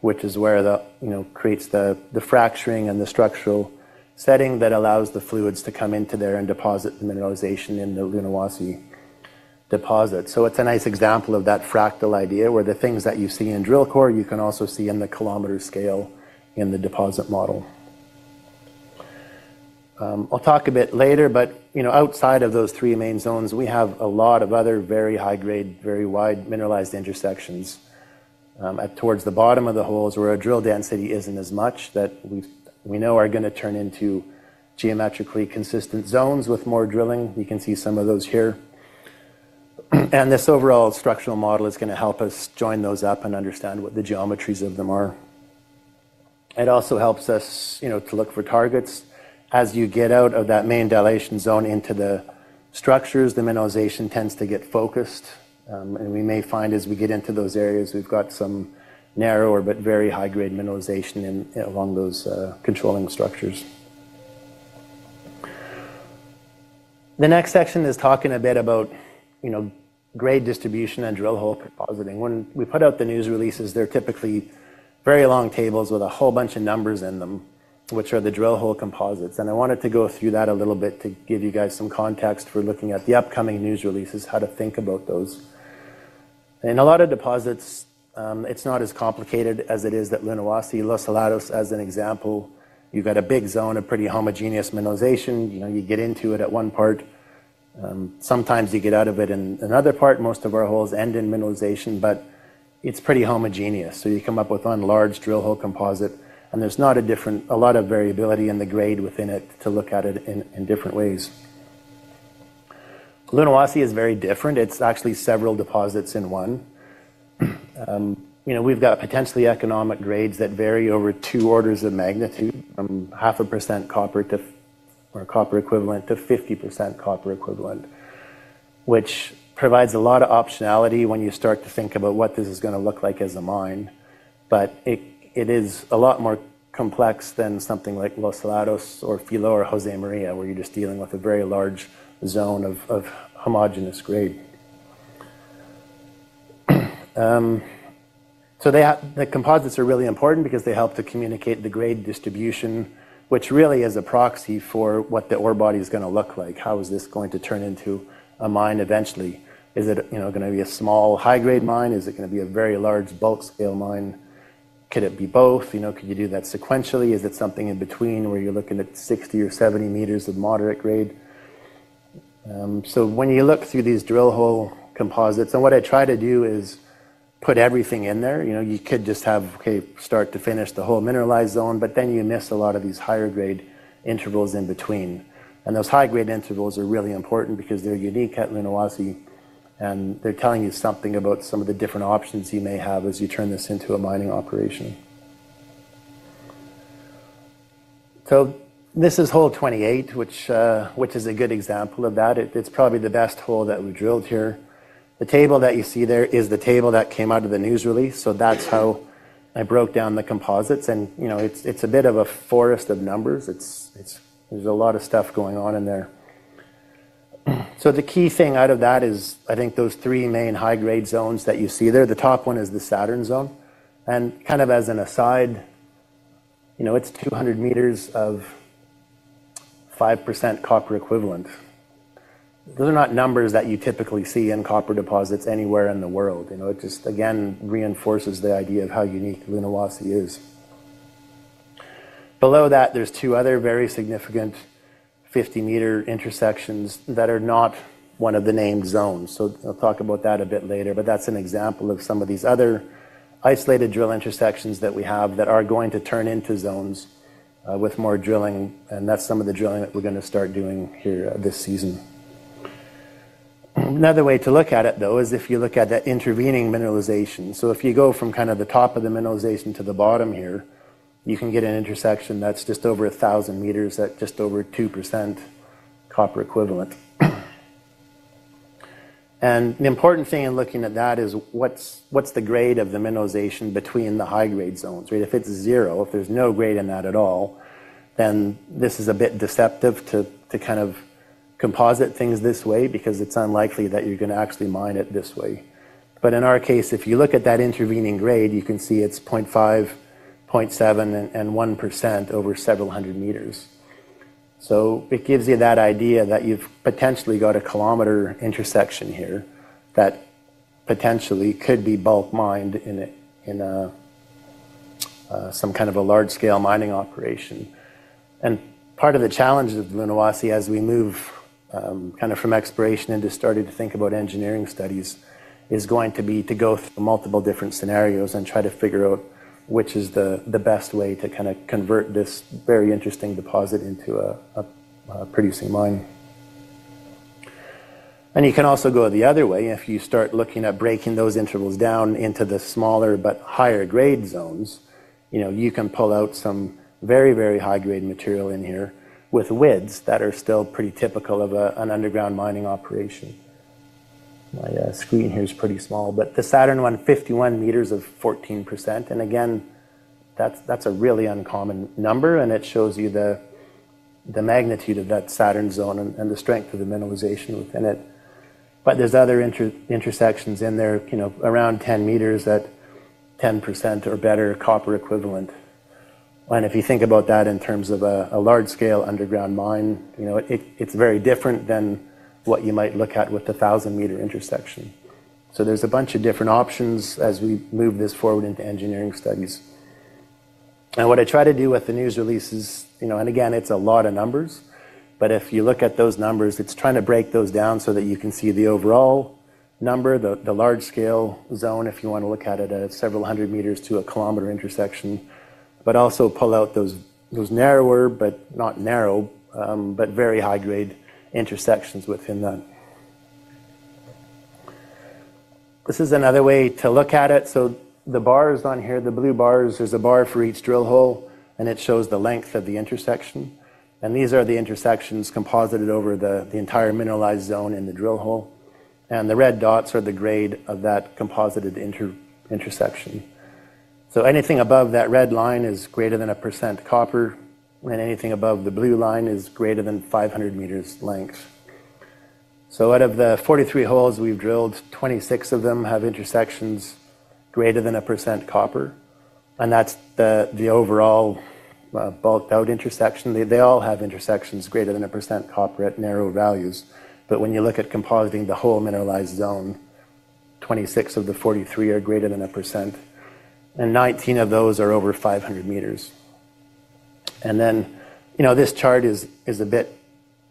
which is where the, you know, creates the fracturing and the structural setting that allows the fluids to come into there and deposit the mineralization in the Lunahuasi deposit. It's a nice example of that fractal idea where the things that you've seen in drill core, you can also see in the kilometer scale in the deposit model. I'll talk a bit later, but outside of those three main zones, we have a lot of other very high-grade, very wide mineralized intersections. Towards the bottom of the holes where our drill density isn't as much, we know are going to turn into geometrically consistent zones with more drilling. You can see some of those here. This overall structural model is going to help us join those up and understand what the geometries of them are. It also helps us to look for targets. As you get out of that main dilation zone into the structures, the mineralization tends to get focused. We may find as we get into those areas, we've got some narrower but very high-grade mineralization along those controlling structures. The next section is talking a bit about grade distribution and drill hole compositing. When we put out the news releases, they're typically very long tables with a whole bunch of numbers in them, which are the drill hole composites. I wanted to go through that a little bit to give you guys some context for looking at the upcoming news releases, how to think about those. In a lot of deposits, it's not as complicated as it is at Lunahuasi, Los Helados as an example. You've got a big zone of pretty homogeneous mineralization. You get into it at one part. Sometimes you get out of it in another part. Most of our holes end in mineralization, but it's pretty homogeneous. You come up with one large drill hole composite, and there's not a lot of variability in the grade within it to look at it in different ways. Lunahuasi is very different. It's actually several deposits in one. We've got potentially economic grades that vary over two orders of magnitude, from 0.5% copper or copper equivalent to 50% copper equivalent, which provides a lot of optionality when you start to think about what this is going to look like as a mine. It is a lot more complex than something like Los Helados or Filo or Josemaria, where you're just dealing with a very large zone of homogeneous grade. The composites are really important because they help to communicate the grade distribution, which really is a proxy for what the ore body is going to look like. How is this going to turn into a mine eventually? Is it going to be a small high-grade mine? Is it going to be a very large bulk scale mine? Could it be both? Could you do that sequentially? Is it something in between where you're looking at 60 m or 70 m of moderate grade? When you look through these drill hole composites, what I try to do is put everything in there. You could just have, OK, start to finish the whole mineralized zone, but then you miss a lot of these higher grade intervals in between. Those high-grade intervals are really important because they're unique at Lunahuasi. They're telling you something about some of the different options you may have as you turn this into a mining operation. This is hole 28, which is a good example of that. It's probably the best hole that we've drilled here. The table that you see there is the table that came out of the news release. That's how I broke down the composites. It's a bit of a forest of numbers. There's a lot of stuff going on in there. The key thing out of that is, I think, those three main high-grade zones that you see there. The top one is the Saturn zone. Kind of as an aside, it's 200 m of 5% copper equivalent. Those are not numbers that you typically see in copper deposits anywhere in the world. It just, again, reinforces the idea of how unique Lunahuasi is. Below that, there's two other very significant 50 m intersections that are not one of the named zones. I'll talk about that a bit later. That's an example of some of these other isolated drill intersections that we have that are going to turn into zones with more drilling. That's some of the drilling that we're going to start doing here this season. Another way to look at it, though, is if you look at the intervening mineralization. If you go from kind of the top of the mineralization to the bottom here, you can get an intersection that's just over 1,000 m at just over 2% copper equivalent. The important thing in looking at that is what's the grade of the mineralization between the high-grade zones? If it's zero, if there's no grade in that at all, then this is a bit deceptive to kind of composite things this way because it's unlikely that you're going to actually mine it this way. In our case, if you look at that intervening grade, you can see it's 0.5%, 0.7%, and 1% over several hundred meters. It gives you that idea that you've potentially got 1 km intersection here that potentially could be bulk mined in some kind of a large-scale mining operation. Part of the challenge of Lunahuasi, as we move from exploration into starting to think about engineering studies, is going to be to go through multiple different scenarios and try to figure out which is the best way to convert this very interesting deposit into a producing mine. You can also go the other way. If you start looking at breaking those intervals down into the smaller but higher grade zones, you can pull out some very, very high-grade material in here with widths that are still pretty typical of an underground mining operation. My screen here is pretty small, but the Saturn won 51 m of 14%. That's a really uncommon number. It shows you the magnitude of that Saturn zone and the strength of the mineralization within it. There are other intersections in there, around 10 m at 10% or better copper equivalent. If you think about that in terms of a large-scale underground mine, it's very different than what you might look at with the 1,000 m intersection. There are a bunch of different options as we move this forward into engineering studies. What I try to do with the news releases, it's a lot of numbers. If you look at those numbers, it's trying to break those down so that you can see the overall number, the large-scale zone, if you want to look at it at several hundred meters to 1 km intersection, but also pull out those narrower, but not narrow, but very high-grade intersections within that. This is another way to look at it. The bars on here, the blue bars, there's a bar for each drill hole, and it shows the length of the intersection. These are the intersections composited over the entire mineralized zone in the drill hole. The red dots are the grade of that composited intersection. Anything above that red line is greater than 1% copper. Anything above the blue line is greater than 500 m length. Out of the 43 holes we've drilled, 26 of them have intersections greater than 1% copper. That's the overall bulked-out intersection. They all have intersections greater than 1% copper at narrow values. When you look at compositing the whole mineralized zone, 26 of the 43 are greater than 1%. 19 of those are over 500 m. This chart is a bit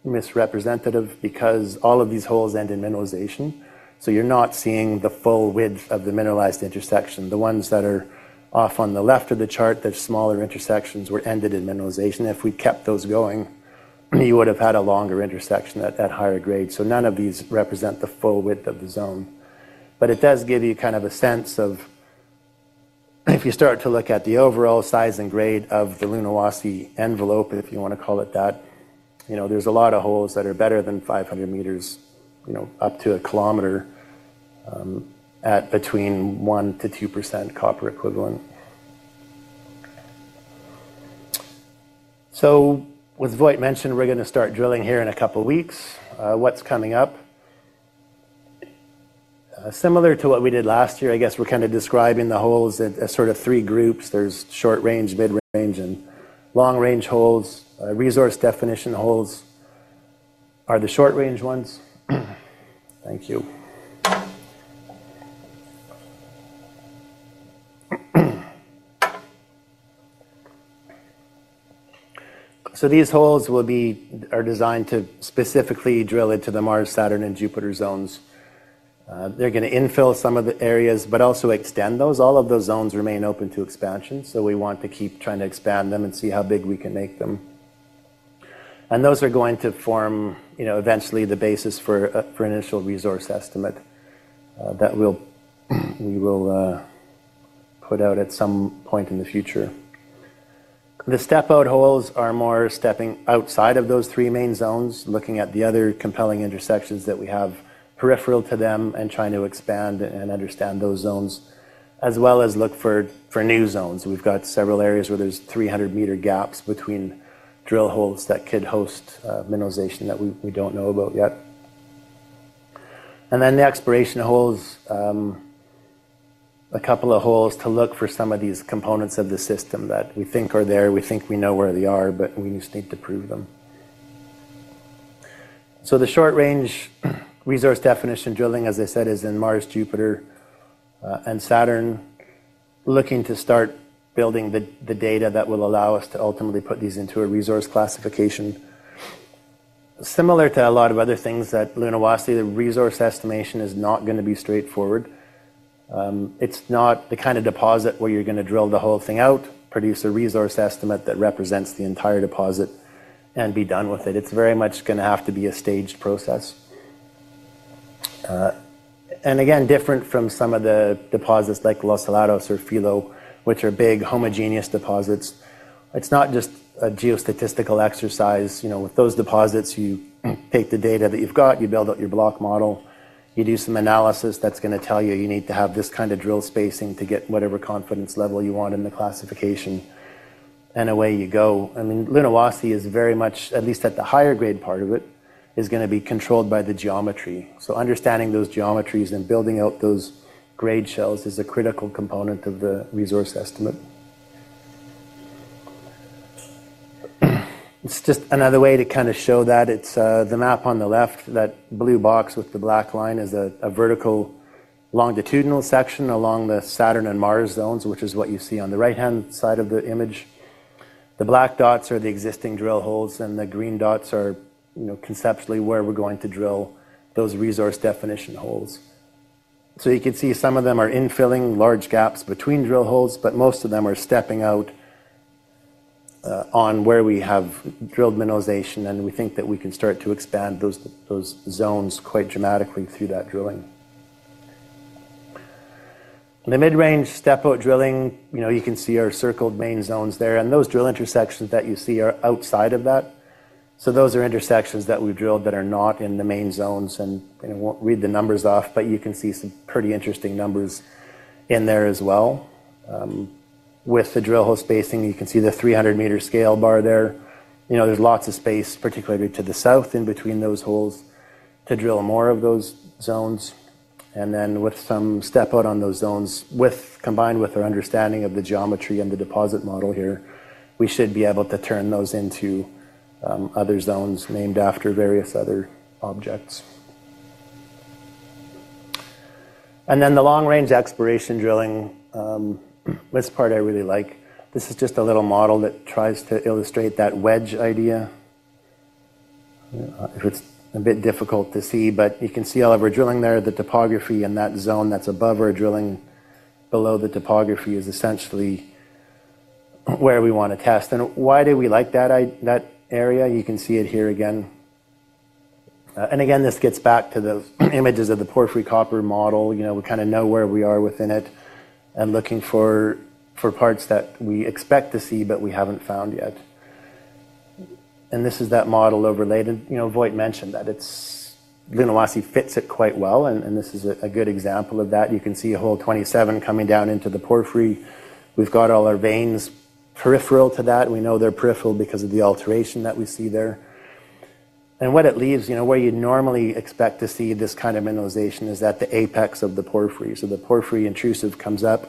misrepresentative because all of these holes end in mineralization. You're not seeing the full width of the mineralized intersection. The ones that are off on the left of the chart, the smaller intersections, were ended in mineralization. If we kept those going, you would have had a longer intersection at higher grade. None of these represent the full width of the zone. It does give you kind of a sense of, if you start to look at the overall size and grade of the Lunahuasi envelope, if you want to call it that, you know, there's a lot of holes that are better than 500 m, up to 1 km at between 1%-2% copper equivalent. With Wojtek mentioned we're going to start drilling here in a couple of weeks, what's coming up? Similar to what we did last year, I guess we're kind of describing the holes as sort of three groups. There's short-range, mid-range, and long-range holes. Resource definition holes are the short-range ones. Thank you. These holes will be designed to specifically drill into the Mars, Saturn, and Jupiter zones. They're going to infill some of the areas, but also extend those. All of those zones remain open to expansion, so we want to keep trying to expand them and see how big we can make them. Those are going to form, you know, eventually the basis for an initial resource estimate that we will put out at some point in the future. The step-out holes are more stepping outside of those three main zones, looking at the other compelling intersections that we have peripheral to them and trying to expand and understand those zones, as well as look for new zones. We've got several areas where there's 300 m gaps between drill holes that could host mineralization that we don't know about yet. The exploration holes, a couple of holes to look for some of these components of the system that we think are there, we think we know where they are, but we just need to prove them. The short-range resource definition drilling, as I said, is in Mars, Jupiter, and Saturn, looking to start building the data that will allow us to ultimately put these into a resource classification. Similar to a lot of other things at Lunahuasi, the resource estimation is not going to be straightforward. It's not the kind of deposit where you're going to drill the whole thing out, produce a resource estimate that represents the entire deposit, and be done with it. It's very much going to have to be a staged process. Different from some of the deposits like Los Helados or Filo, which are big, homogeneous deposits, it's not just a geostatistical exercise. With those deposits, you take the data that you've got, you build out your block model, you do some analysis that's going to tell you you need to have this kind of drill spacing to get whatever confidence level you want in the classification, and away you go. Lunahuasi is very much, at least at the higher grade part of it, going to be controlled by the geometry. Understanding those geometries and building out those grade shells is a critical component of the resource estimate. It's just another way to kind of show that. It's the map on the left. That blue box with the black line is a vertical longitudinal section along the Saturn and Mars zones, which is what you see on the right-hand side of the image. The black dots are the existing drill holes, and the green dots are, you know, conceptually where we're going to drill those resource definition holes. You can see some of them are infilling large gaps between drill holes, but most of them are stepping out on where we have drilled mineralization, and we think that we can start to expand those zones quite dramatically through that drilling. The mid-range step-out drilling, you know, you can see our circled main zones there, and those drill intersections that you see are outside of that. Those are intersections that we've drilled that are not in the main zones. I won't read the numbers off, but you can see some pretty interesting numbers in there as well. With the drill hole spacing, you can see the 300 m scale bar there. There's lots of space, particularly to the South in between those holes, to drill more of those zones. With some step-out on those zones, combined with our understanding of the geometry and the deposit model here, we should be able to turn those into other zones named after various other objects. The long-range exploration drilling, this part I really like. This is just a little model that tries to illustrate that wedge idea. If it's a bit difficult to see, you can see all of our drilling there. The topography in that zone that's above our drilling below the topography is essentially where we want to test. Why do we like that area? You can see it here again. This gets back to the images of the porphyry copper model. We kind of know where we are within it and looking for parts that we expect to see, but we haven't found yet. This is that model overlaid. Wojtek mentioned that Lunahuasi fits it quite well, and this is a good example of that. You can see a hole 27 coming down into the porphyry. We've got all our veins peripheral to that. We know they're peripheral because of the alteration that we see there. What it leaves, where you'd normally expect to see this kind of mineralization, is at the apex of the porphyry. The porphyry intrusive comes up.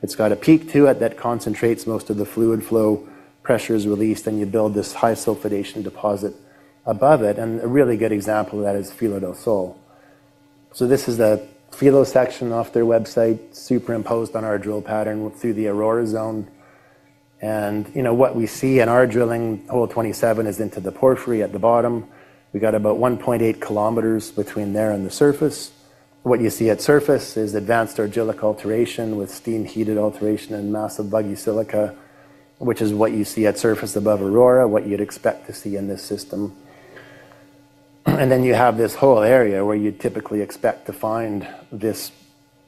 It's got a peak to it that concentrates most of the fluid flow, pressure is released, and you build this high sulfidation deposit above it. A really good example of that is Filo del Sol. This is a Filo section off their website, superimposed on our drill pattern through the Aurora zone. What we see in our drilling, hole 27 is into the porphyry at the bottom. We've got about 1.8 km between there and the surface. What you see at surface is advanced argillic alteration with steam-heated alteration and massive vuggy silica, which is what you see at surface above Aurora, what you'd expect to see in this system. You have this whole area where you'd typically expect to find this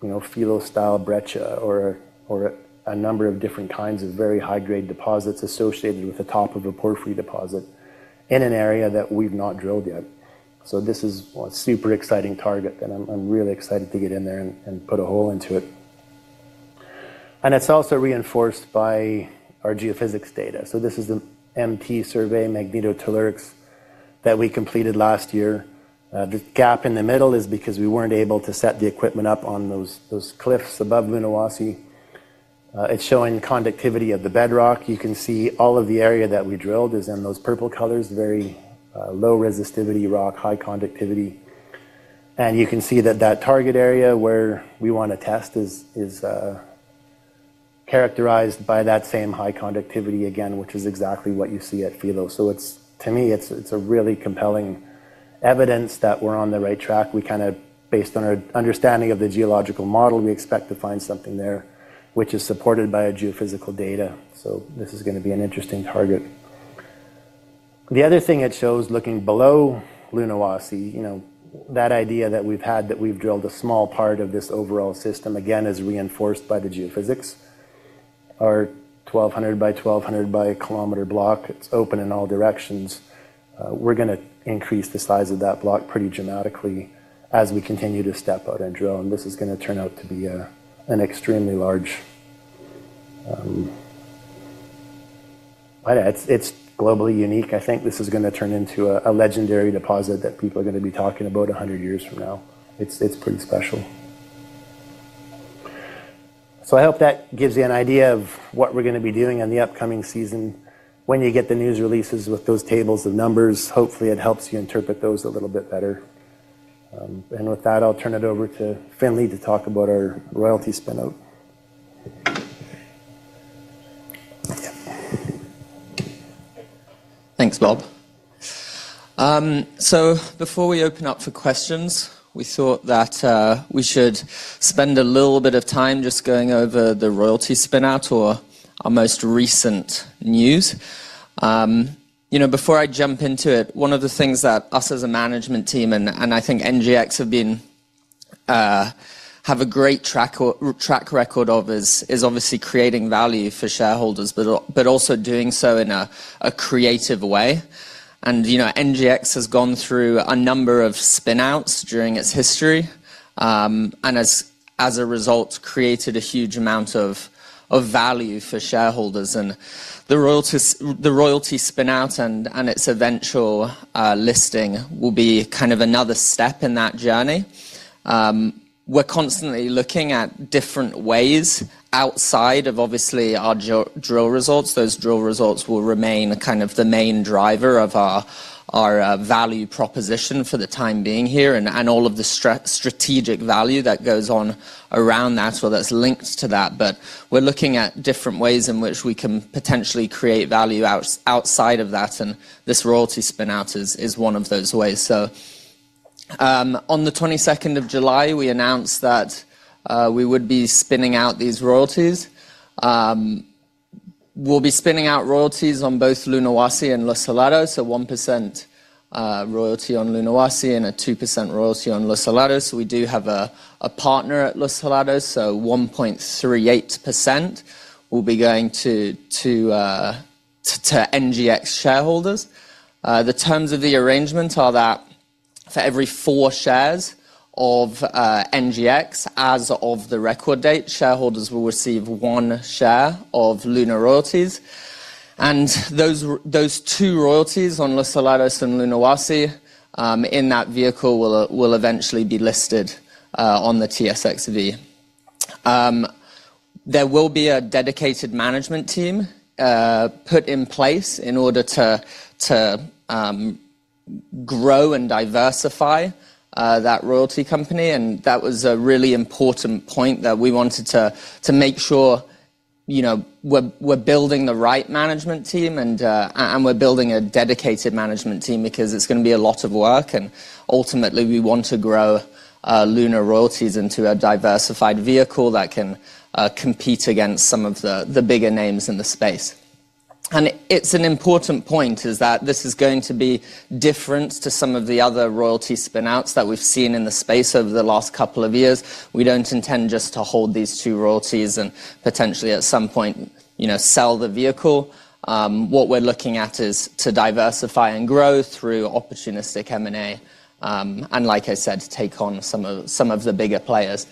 Filo-style breccia or a number of different kinds of very high-grade deposits associated with the top of a porphyry deposit in an area that we've not drilled yet. This is a super exciting target, and I'm really excited to get in there and put a hole into it. It's also reinforced by our geophysics data. This is an MT survey, Magnetotellurics, that we completed last year. The gap in the middle is because we weren't able to set the equipment up on those cliffs above Lunahuasi. It's showing conductivity of the bedrock. You can see all of the area that we drilled is in those purple colors, very low resistivity rock, high conductivity. You can see that the target area where we want to test is characterized by that same high conductivity again, which is exactly what you see at Filo. To me, it's really compelling evidence that we're on the right track. Based on our understanding of the geological model, we expect to find something there, which is supported by geophysical data. This is going to be an interesting target. The other thing it shows, looking below Lunahuasi, that idea that we've had that we've drilled a small part of this overall system, again, is reinforced by the geophysics. Our 1,200 m by 1,200 m by 1 km block, it's open in all directions. We're going to increase the size of that block pretty dramatically as we continue to step out and drill. This is going to turn out to be an extremely large, I don't know, it's globally unique. I think this is going to turn into a legendary deposit that people are going to be talking about 100 years from now. It's pretty special. I hope that gives you an idea of what we're going to be doing in the upcoming season when you get the news releases with those tables of numbers. Hopefully, it helps you interpret those a little bit better. With that, I'll turn it over to Finlay to talk about our royalty spin-out. Thanks, Bob. Before we open up for questions, we thought that we should spend a little bit of time just going over the royalty spin-out or our most recent news. Before I jump into it, one of the things that us as a management team, and I think NGEx have a great track record of, is obviously creating value for shareholders, but also doing so in a creative way. NGEx has gone through a number of spin-outs during its history, and as a result, created a huge amount of value for shareholders. The royalty spin-out and its eventual listing will be another step in that journey. We're constantly looking at different ways outside of obviously our drill results. Those drill results will remain the main driver of our value proposition for the time being here and all of the strategic value that goes on around that or that's linked to that. We're looking at different ways in which we can potentially create value outside of that, and this royalty spin-out is one of those ways. On the 22nd of July, we announced that we would be spinning out these royalties. We'll be spinning out royalties on both Lunahuasi and Los Helados. There will be a 1% royalty on Lunahuasi and a 2% royalty on Los Helados. We do have a partner at Los Helados, so 1.38% will be going to NGEx shareholders. The terms of the arrangement are that for every four shares of NGEx, as of the record date, shareholders will receive one share of LunR Royalties. Those two royalties on Los Helados and Lunahuasi in that vehicle will eventually be listed on the TSXV. There will be a dedicated management team put in place in order to grow and diversify that royalty company. That was a really important point that we wanted to make sure, you know, we're building the right management team and we're building a dedicated management team because it's going to be a lot of work. Ultimately, we want to grow LunR Royalties into a diversified vehicle that can compete against some of the bigger names in the space. An important point is that this is going to be different to some of the other royalty spin-outs that we've seen in the space over the last couple of years. We don't intend just to hold these two royalties and potentially at some point, you know, sell the vehicle. What we're looking at is to diversify and grow through opportunistic M&A and, like I said, take on some of the bigger players.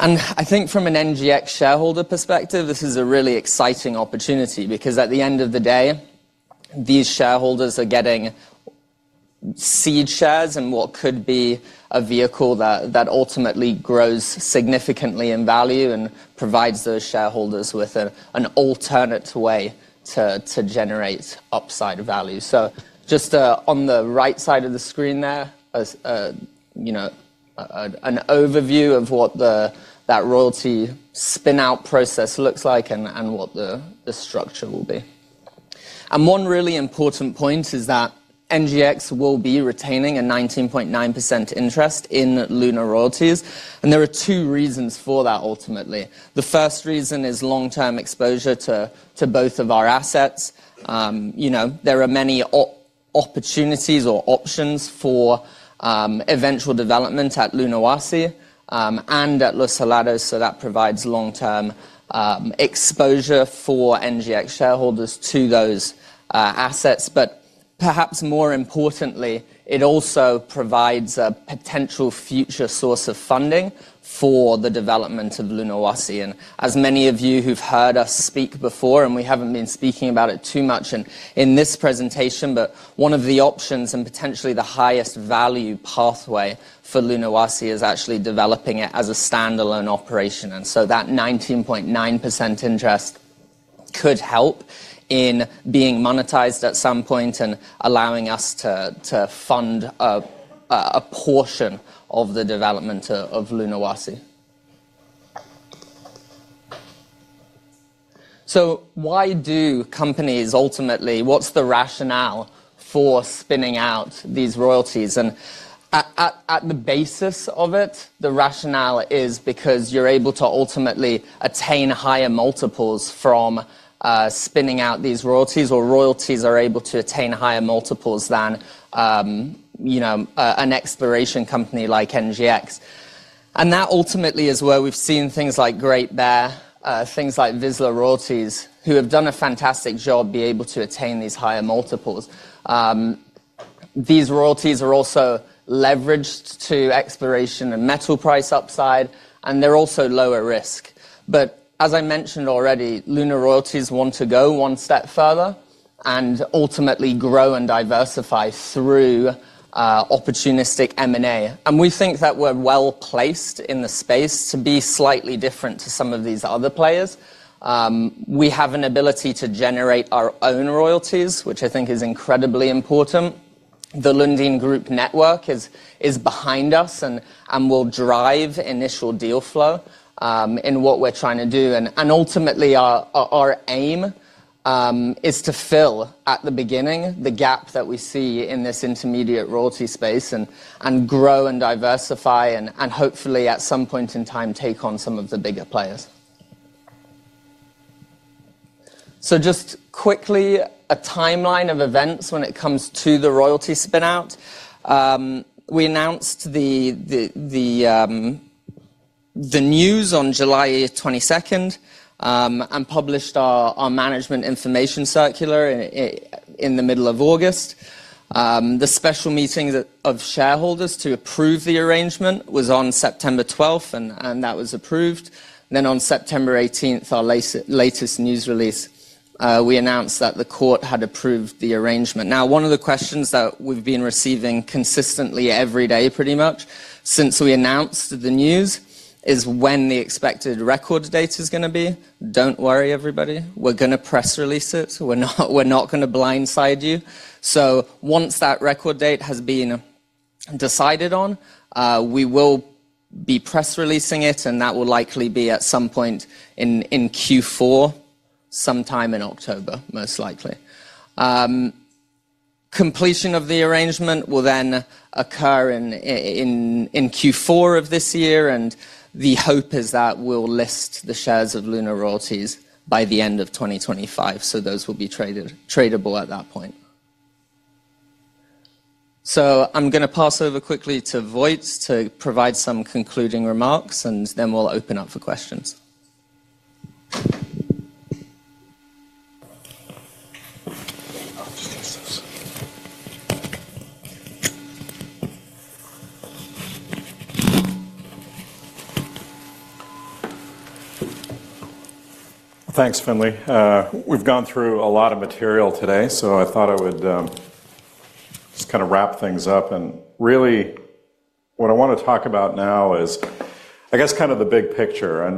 I think from an NGEx shareholder perspective, this is a really exciting opportunity because at the end of the day, these shareholders are getting seed shares in what could be a vehicle that ultimately grows significantly in value and provides those shareholders with an alternate way to generate upside value. Just on the right side of the screen there, you know, an overview of what that royalty spin-out process looks like and what the structure will be. One really important point is that NGEx will be retaining a 19.9% interest in LunR Royalties. There are two reasons for that ultimately. The first reason is long-term exposure to both of our assets. You know, there are many opportunities or options for eventual development at Lunahuasi and at Los Helados. That provides long-term exposure for NGEx shareholders to those assets. Perhaps more importantly, it also provides a potential future source of funding for the development of Lunahuasi. As many of you who've heard us speak before, and we haven't been speaking about it too much in this presentation, one of the options and potentially the highest value pathway for Lunahuasi is actually developing it as a standalone operation. That 19.9% interest could help in being monetized at some point and allowing us to fund a portion of the development of Lunahuasi. Why do companies ultimately, what's the rationale for spinning out these royalties? At the basis of it, the rationale is because you're able to ultimately attain higher multiples from spinning out these royalties, or royalties are able to attain higher multiples than, you know, an exploration company like NGEx. That ultimately is where we've seen things like Great Bear, things like Vizsla Royalties, who have done a fantastic job being able to attain these higher multiples. These royalties are also leveraged to exploration and metal price upside, and they're also lower risk. As I mentioned already, LunR Royalties want to go one step further and ultimately grow and diversify through opportunistic M&A. We think that we're well placed in the space to be slightly different to some of these other players. We have an ability to generate our own royalties, which I think is incredibly important. The Lundin Group network is behind us and will drive initial deal flow in what we're trying to do. Ultimately, our aim is to fill, at the beginning, the gap that we see in this intermediate royalty space and grow and diversify and hopefully, at some point in time, take on some of the bigger players. Just quickly, a timeline of events when it comes to the royalty spin-out. We announced the news on July 22 and published our management information circular in the middle of August. The special meeting of shareholders to approve the arrangement was on September 12, and that was approved. On September 18, our latest news release announced that the court had approved the arrangement. One of the questions that we've been receiving consistently every day, pretty much since we announced the news, is when the expected record date is going to be. Don't worry, everybody. We're going to press release it. We're not going to blindside you. Once that record date has been decided on, we will be press releasing it, and that will likely be at some point in Q4, sometime in October, most likely. Completion of the arrangement will then occur in Q4 of this year, and the hope is that we'll list the shares of LunR Royalties by the end of 2025. Those will be tradable at that point. I'm going to pass over quickly to Wojtek to provide some concluding remarks, and then we'll open up for questions. Thanks, Finlay. We've gone through a lot of material today, so I thought I would just kind of wrap things up. What I want to talk about now is, I guess, kind of the big picture.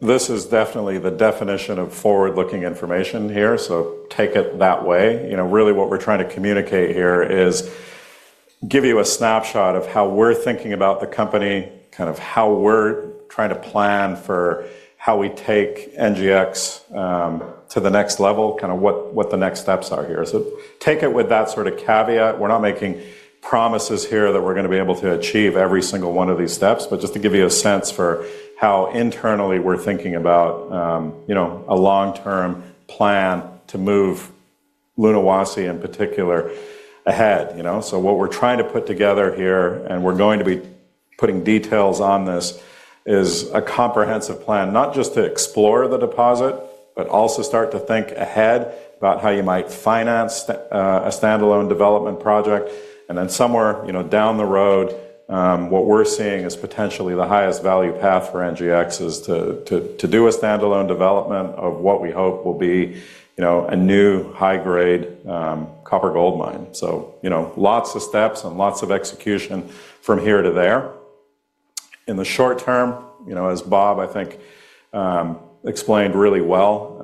This is definitely the definition of forward-looking information here, so take it that way. You know, really what we're trying to communicate here is give you a snapshot of how we're thinking about the company, kind of how we're trying to plan for how we take NGEx to the next level, kind of what the next steps are here. Take it with that sort of caveat. We're not making promises here that we're going to be able to achieve every single one of these steps, but just to give you a sense for how internally we're thinking about, you know, a long-term plan to move Lunahuasi in particular ahead. You know, what we're trying to put together here, and we're going to be putting details on this, is a comprehensive plan, not just to explore the deposit, but also start to think ahead about how you might finance a standalone development project. Somewhere down the road, what we're seeing is potentially the highest value path for NGEx is to do a standalone development of what we hope will be, you know, a new high-grade copper-gold mine. Lots of steps and lots of execution from here to there. In the short term, as Bob, I think, explained really well,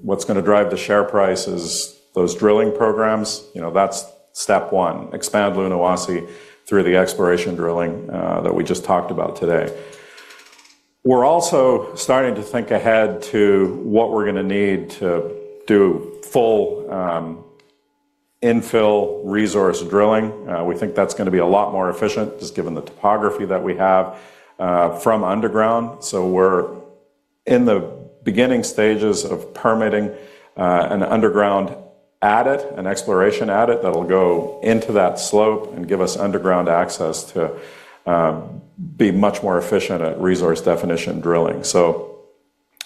what's going to drive the share price is those drilling programs. That's step one, expand Lunahuasi through the exploration drilling that we just talked about today. We're also starting to think ahead to what we're going to need to do full infill resource drilling. We think that's going to be a lot more efficient, just given the topography that we have from underground. We're in the beginning stages of permitting an underground adit, an exploration adit that'll go into that slope and give us underground access to be much more efficient at resource definition drilling.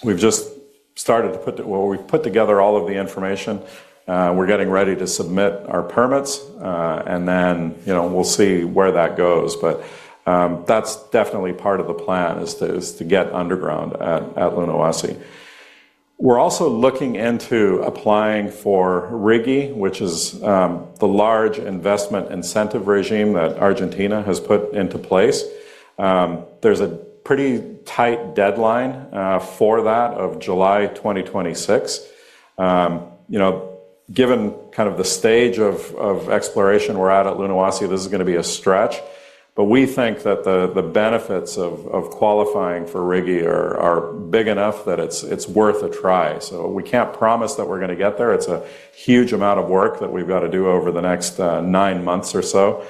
We've just started to put, well, we've put together all of the information. We're getting ready to submit our permits, and then we'll see where that goes. That's definitely part of the plan is to get underground at Lunahuasi. We're also looking into applying for RIGI, which is the large investment incentive regime that Argentina has put into place. There's a pretty tight deadline for that of July 2026. You know, given kind of the stage of exploration we're at at Lunahuasi, this is going to be a stretch. We think that the benefits of qualifying for RIGI are big enough that it's worth a try. We can't promise that we're going to get there. It's a huge amount of work that we've got to do over the next nine months or so.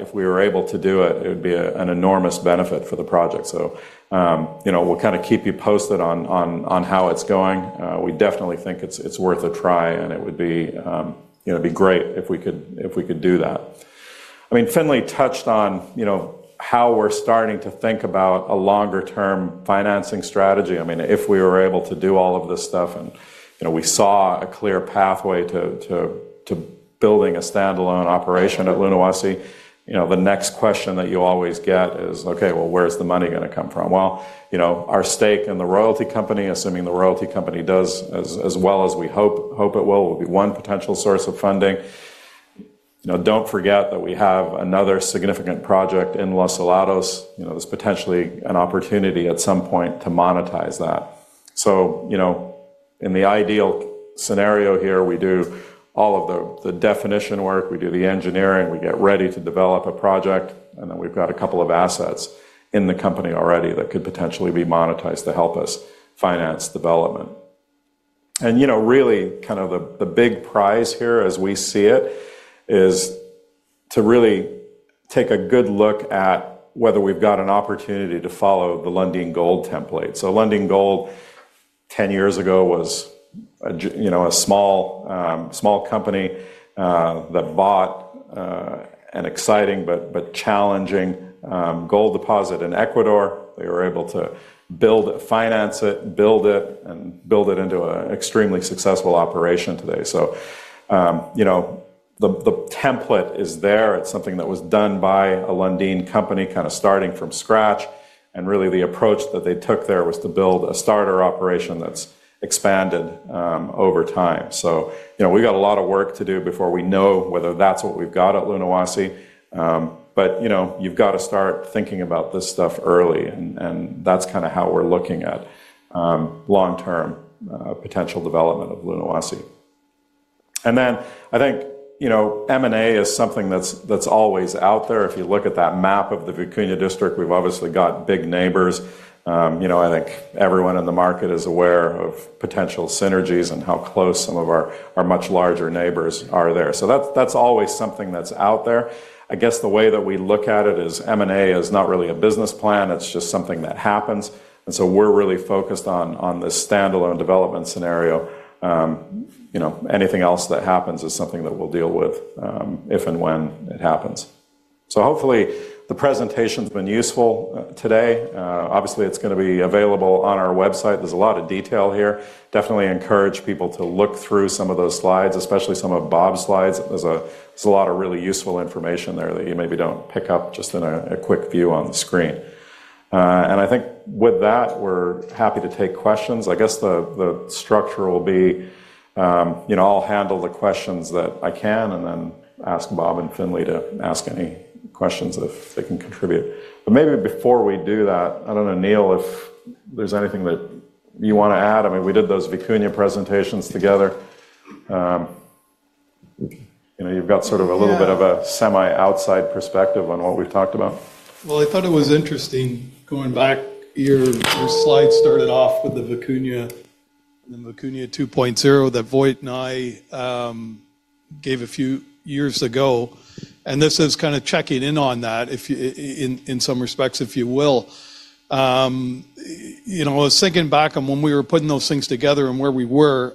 If we were able to do it, it would be an enormous benefit for the project. We'll kind of keep you posted on how it's going. We definitely think it's worth a try, and it would be great if we could do that. I mean, Finlay touched on how we're starting to think about a longer-term financing strategy. If we were able to do all of this stuff and we saw a clear pathway to building a standalone operation at Lunahuasi, the next question that you always get is, okay, where's the money going to come from? Our stake in the royalty company, assuming the royalty company does as well as we hope it will, will be one potential source of funding. Don't forget that we have another significant project in Los Helados. There's potentially an opportunity at some point to monetize that. In the ideal scenario here, we do all of the definition work, we do the engineering, we get ready to develop a project, and then we've got a couple of assets in the company already that could potentially be monetized to help us finance development. Really kind of the big prize here, as we see it, is to really take a good look at whether we've got an opportunity to follow the Lundin Gold template. Lundin Gold, 10 years ago, was a small, small company that bought an exciting but challenging gold deposit in Ecuador. They were able to build it, finance it, build it, and build it into an extremely successful operation today. The template is there. It's something that was done by a Lundin company, kind of starting from scratch. Really, the approach that they took there was to build a starter operation that's expanded over time. We've got a lot of work to do before we know whether that's what we've got at Lunahuasi. You've got to start thinking about this stuff early. That's kind of how we're looking at long-term potential development of Lunahuasi. I think M&A is something that's always out there. If you look at that map of the Vicuña District, we've obviously got big neighbors. I think everyone in the market is aware of potential synergies and how close some of our much larger neighbors are there. That's always something that's out there. I guess the way that we look at it is M&A is not really a business plan. It's just something that happens. We're really focused on this standalone development scenario. Anything else that happens is something that we'll deal with if and when it happens. Hopefully, the presentation's been useful today. Obviously, it's going to be available on our website. There's a lot of detail here. Definitely encourage people to look through some of those slides, especially some of Bob's slides. There's a lot of really useful information there that you maybe don't pick up just in a quick view on the screen. I think with that, we're happy to take questions. I guess the structure will be, I'll handle the questions that I can and then ask Bob and Finlay to ask any questions if they can contribute. Maybe before we do that, I don't know, Neil, if there's anything that you want to add. I mean, we did those Vicuña presentations together. You've got sort of a little bit of a semi-outside perspective on what we've talked about. I thought it was interesting going back. Your slides started off with the Vicuña and then Vicuña 2.0 that Wojtek and I gave a few years ago. This is kind of checking in on that in some respects, if you will. I was thinking back on when we were putting those things together and where we were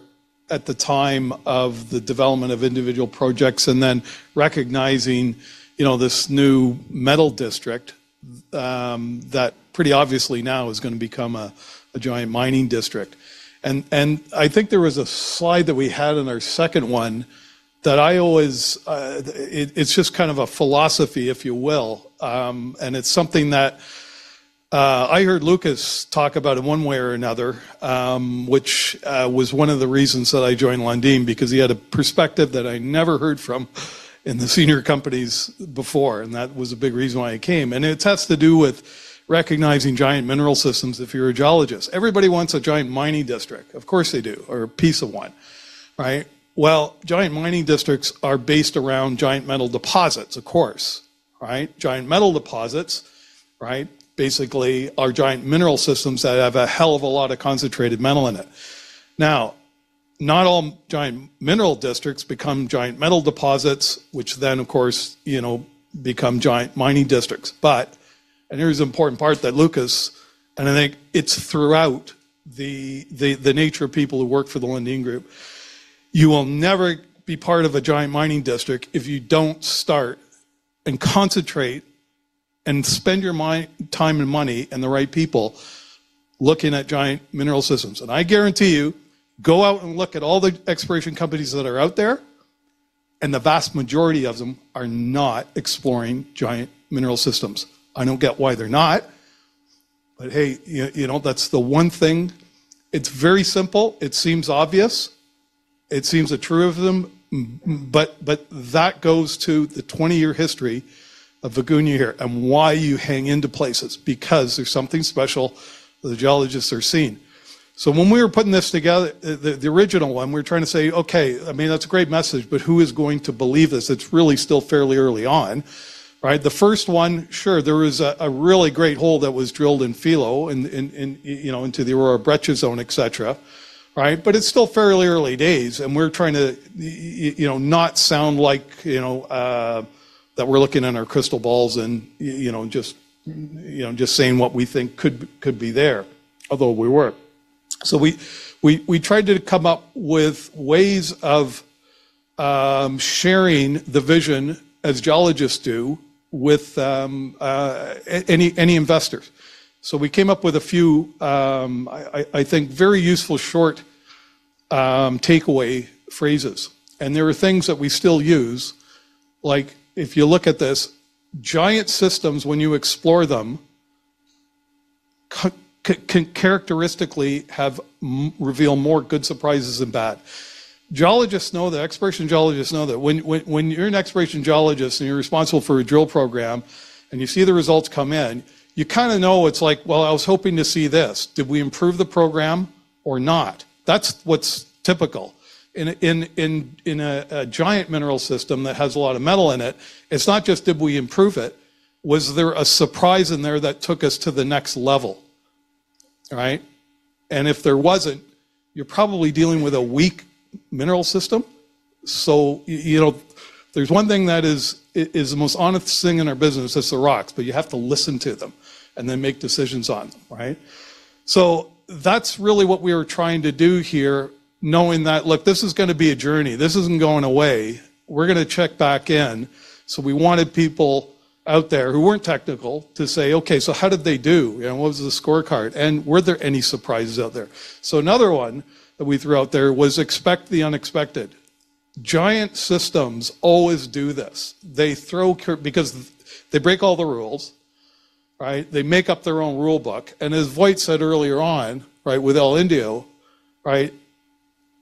at the time of the development of individual projects and then recognizing this new metal district that pretty obviously now is going to become a giant mining district. I think there was a slide that we had in our second one that I always, it's just kind of a philosophy, if you will. It's something that I heard Lucas talk about in one way or another, which was one of the reasons that I joined Lundin because he had a perspective that I never heard from in the senior companies before. That was a big reason why I came. It has to do with recognizing giant mineral systems if you're a geologist. Everybody wants a giant mining district. Of course they do, or a piece of one, right? Giant mining districts are based around giant metal deposits, of course, right? Giant metal deposits, right? Basically, are giant mineral systems that have a hell of a lot of concentrated metal in it. Not all giant mineral districts become giant metal deposits, which then, of course, become giant mining districts. Here's an important part that Lucas, and I think it's throughout the nature of people who work for the Lundin Group, you will never be part of a giant mining district if you don't start and concentrate and spend your time and money and the right people looking at giant mineral systems. I guarantee you, go out and look at all the exploration companies that are out there, and the vast majority of them are not exploring giant mineral systems. I don't get why they're not. That's the one thing. It's very simple. It seems obvious. It seems a truism. That goes to the 20-year history of Vicuña here and why you hang into places because there's something special that the geologists are seeing. When we were putting this together, the original one, we were trying to say, okay, I mean, that's a great message, but who is going to believe this? It's really still fairly early on, right? The first one, sure, there was a really great hole that was drilled in Filo and into the Aurora Breccia zone, etc., right? It's still fairly early days, and we're trying to not sound like we're looking in our crystal balls and just saying what we think could be there, although we weren't. We tried to come up with ways of sharing the vision as geologists do with any investors. We came up with a few, I think, very useful short takeaway phrases. There are things that we still use, like if you look at this, giant systems, when you explore them, can characteristically reveal more good surprises than bad. Geologists know that, exploration geologists know that. When you're an exploration geologist and you're responsible for a drill program and you see the results come in, you kind of know it's like, well, I was hoping to see this. Did we improve the program or not? That's what's typical. In a giant mineral system that has a lot of metal in it, it's not just did we improve it, was there a surprise in there that took us to the next level, right? If there wasn't, you're probably dealing with a weak mineral system. There's one thing that is the most honest thing in our business, it's the rocks, but you have to listen to them and then make decisions on them, right? That's really what we were trying to do here, knowing that, look, this is going to be a journey. This isn't going away. We're going to check back in. We wanted people out there who weren't technical to say, okay, so how did they do? What was the scorecard? Were there any surprises out there? Another one that we threw out there was expect the unexpected. Giant systems always do this. They throw because they break all the rules, right? They make up their own rulebook. As Wojtek said earlier on, with El Indio,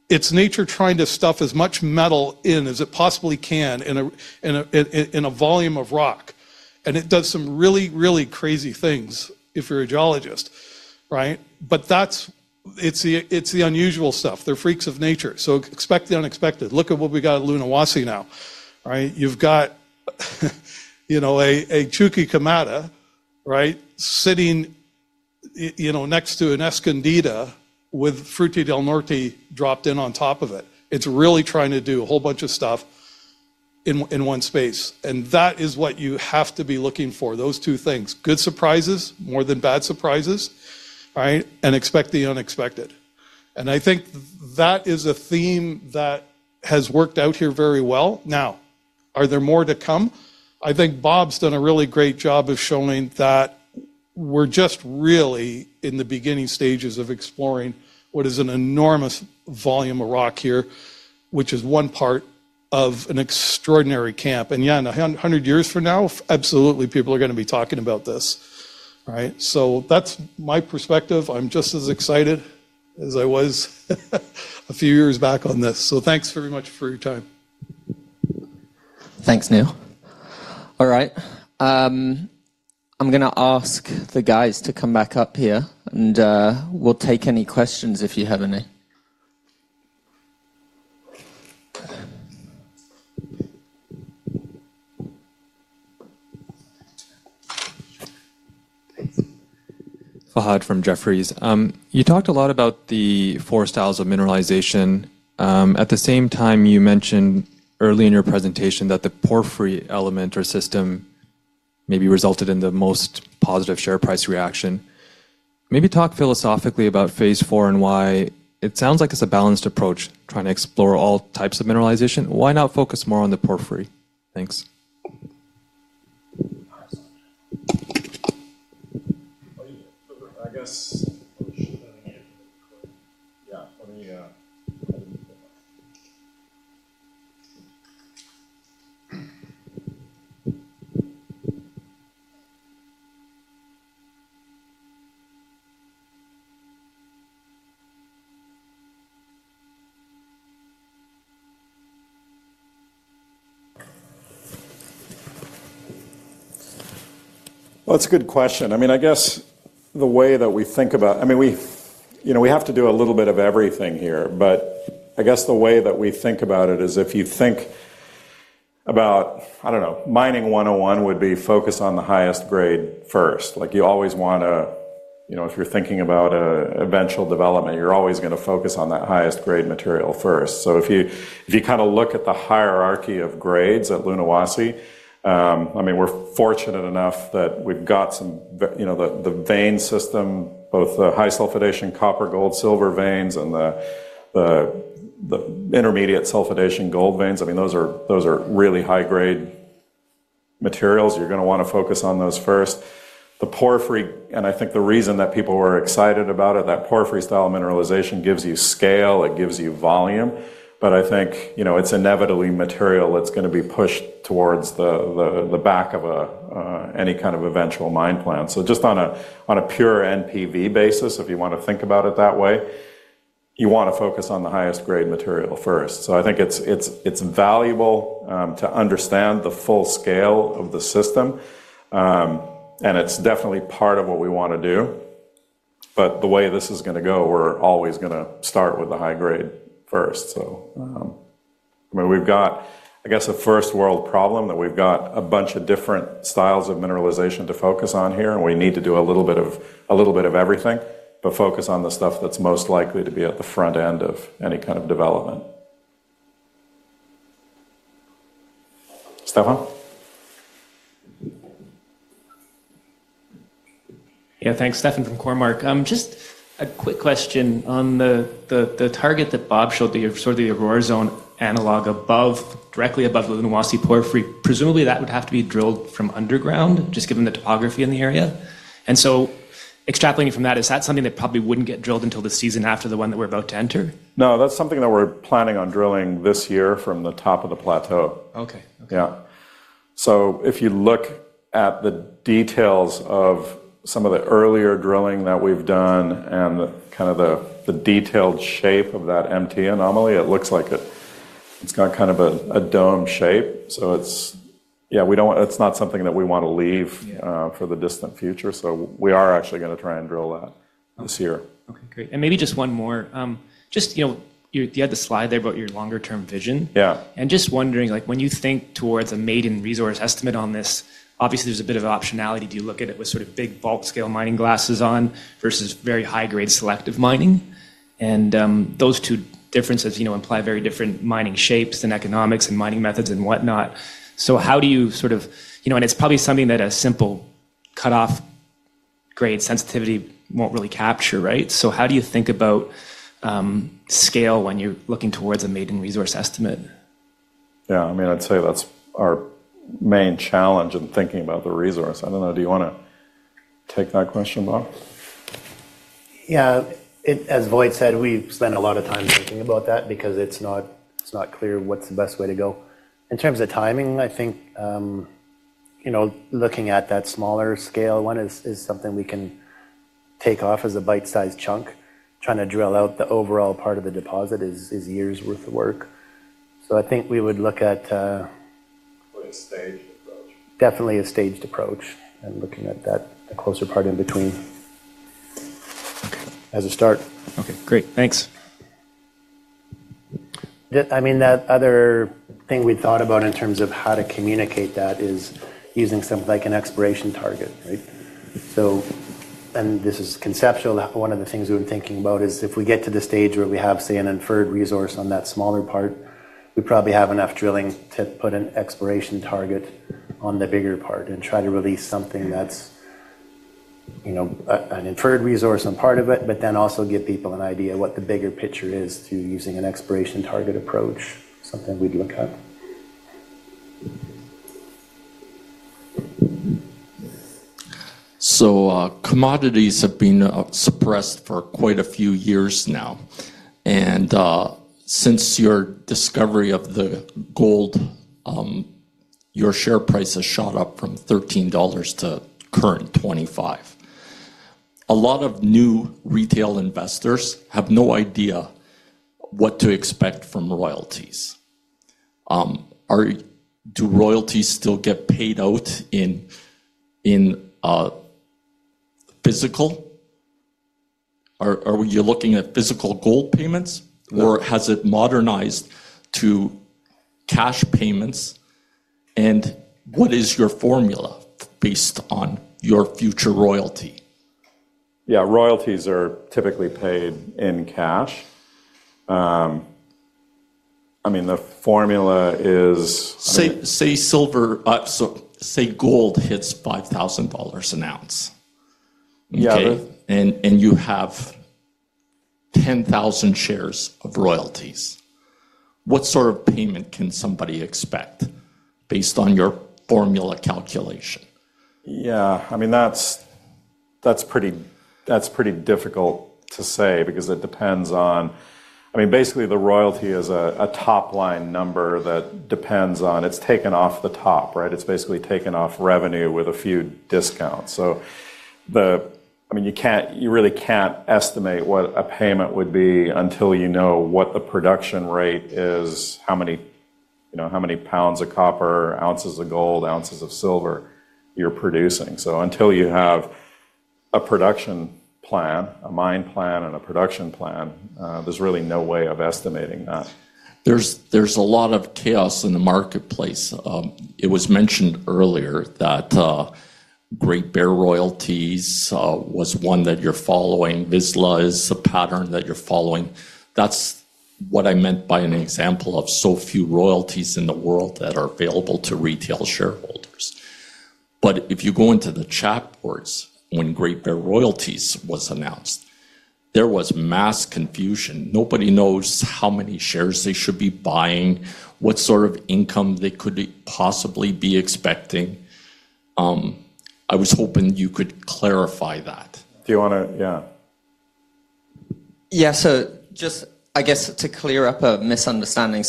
it's nature trying to stuff as much metal in as it possibly can in a volume of rock. It does some really, really crazy things if you're a geologist, right? It's the unusual stuff. They're freaks of nature. Expect the unexpected. Look at what we got at Lunahuasi now, right? You've got a Chuquicamata, right, sitting next to an Escondida with Fruta del Norte dropped in on top of it. It's really trying to do a whole bunch of stuff in one space. That is what you have to be looking for, those two things. Good surprises, more than bad surprises, right? Expect the unexpected. I think that is a theme that has worked out here very well. Now, are there more to come? I think Bob's done a really great job of showing that we're just really in the beginning stages of exploring what is an enormous volume of rock here, which is one part of an extraordinary camp. In 100 years from now, absolutely, people are going to be talking about this, right? That's my perspective. I'm just as excited as I was a few years back on this. Thanks very much for your time. Thanks, Neil. All right. I'm going to ask the guys to come back up here, and we'll take any questions if you have any. Fahad from Jefferies. You talked a lot about the four styles of mineralization. At the same time, you mentioned early in your presentation that the porphyry element or system maybe resulted in the most positive share price reaction. Maybe talk philosophically about phase four and why. It sounds like it's a balanced approach trying to explore all types of mineralization. Why not focus more on the porphyry? Thanks. That's a good question. I guess the way that we think about it, we have to do a little bit of everything here, but I guess the way that we think about it is if you think about, I don't know, mining 101 would be focused on the highest grade first. You always want to, if you're thinking about an eventual development, you're always going to focus on that highest grade material first. If you kind of look at the hierarchy of grades at Lunahuasi, we're fortunate enough that we've got some, you know, the vein system, both the high sulfidation copper-gold-silver veins and the intermediate sulfidation gold veins. Those are really high-grade materials. You're going to want to focus on those first. The porphyry, and I think the reason that people were excited about it, that porphyry-style mineralization gives you scale, it gives you volume. I think it's inevitably material that's going to be pushed towards the back of any kind of eventual mine plan. Just on a pure NPV basis, if you want to think about it that way, you want to focus on the highest grade material first. I think it's valuable to understand the full scale of the system, and it's definitely part of what we want to do. The way this is going to go, we're always going to start with the high grade first. We've got, I guess, a first-world problem that we've got a bunch of different styles of mineralization to focus on here, and we need to do a little bit of everything, but focus on the stuff that's most likely to be at the front end of any kind of development. Stefan? Yeah, thanks, Stefan from Cormark. Just a quick question on the target that Bob showed, the Aurora zone analog above, directly above Lunahuasi porphyry. Presumably, that would have to be drilled from underground, just given the topography in the area. Extrapolating from that, is that something that probably wouldn't get drilled until the season after the one that we're about to enter? No, that's something that we're planning on drilling this year from the top of the plateau. Okay. Yeah. If you look at the details of some of the earlier drilling that we've done and kind of the detailed shape of that empty anomaly, it looks like it's got kind of a dome shape. It's not something that we want to leave for the distant future. We are actually going to try and drill that this year. Okay, great. Maybe just one more, you had the slide there about your longer-term vision. Yeah. When you think towards a made-in resource estimate on this, obviously, there's a bit of optionality to look at it with sort of big bulk scale mining glasses on versus very high-grade selective mining. Those two differences imply very different mining shapes and economics and mining methods and whatnot. How do you sort of, you know, and it's probably something that a simple cutoff grade sensitivity won't really capture, right? How do you think about scale when you're looking towards a made-in resource estimate? Yeah, I mean, I'd say that's our main challenge in thinking about the resource. I don't know, do you want to take that question, Bob? Yeah, as Wojtek said, we've spent a lot of time thinking about that because it's not clear what's the best way to go. In terms of timing, I think, you know, looking at that smaller scale one is something we can take off as a bite-sized chunk. Trying to drill out the overall part of the deposit is years' worth of work. I think we would look at definitely a staged approach and looking at that closer part in between as a start. Okay, great. Thanks. I mean, the other thing we thought about in terms of how to communicate that is using something like an exploration target, right? This is conceptual. One of the things we've been thinking about is if we get to the stage where we have, say, an inferred resource on that smaller part, we probably have enough drilling to put an exploration target on the bigger part and try to release something that's, you know, an inferred resource on part of it, but then also give people an idea of what the bigger picture is to using an exploration target approach, something we'd look at. Commodities have been suppressed for quite a few years now. Since your discovery of the gold, your share price has shot up from $13 to current $25. A lot of new retail investors have no idea what to expect from royalties. Do royalties still get paid out in physical? Are you looking at physical gold payments or has it modernized to cash payments? What is your formula based on your future royalty? Yeah, royalties are typically paid in cash. I mean, the formula is... Say silver, say gold hits $5,000 an ounce. Yeah. You have 10,000 shares of royalties. What sort of payment can somebody expect based on your formula calculation? Yeah, I mean, that's pretty difficult to say because it depends on, I mean, basically the royalty is a top line number that depends on, it's taken off the top, right? It's basically taken off revenue with a few discounts. You really can't estimate what a payment would be until you know what the production rate is, how many pounds of copper, ounces of gold, ounces of silver you're producing. Until you have a production plan, a mine plan, and a production plan, there's really no way of estimating that. There's a lot of chaos in the marketplace. It was mentioned earlier that Great Bear Royalties was one that you're following. Vizsla is a pattern that you're following. That's what I meant by an example of so few royalties in the world that are available to retail shareholders. If you go into the chat wars when Great Bear Royalties was announced, there was mass confusion. Nobody knows how many shares they should be buying, what sort of income they could possibly be expecting. I was hoping you could clarify that. Do you want to, yeah? Yeah, just to clear up a misunderstanding,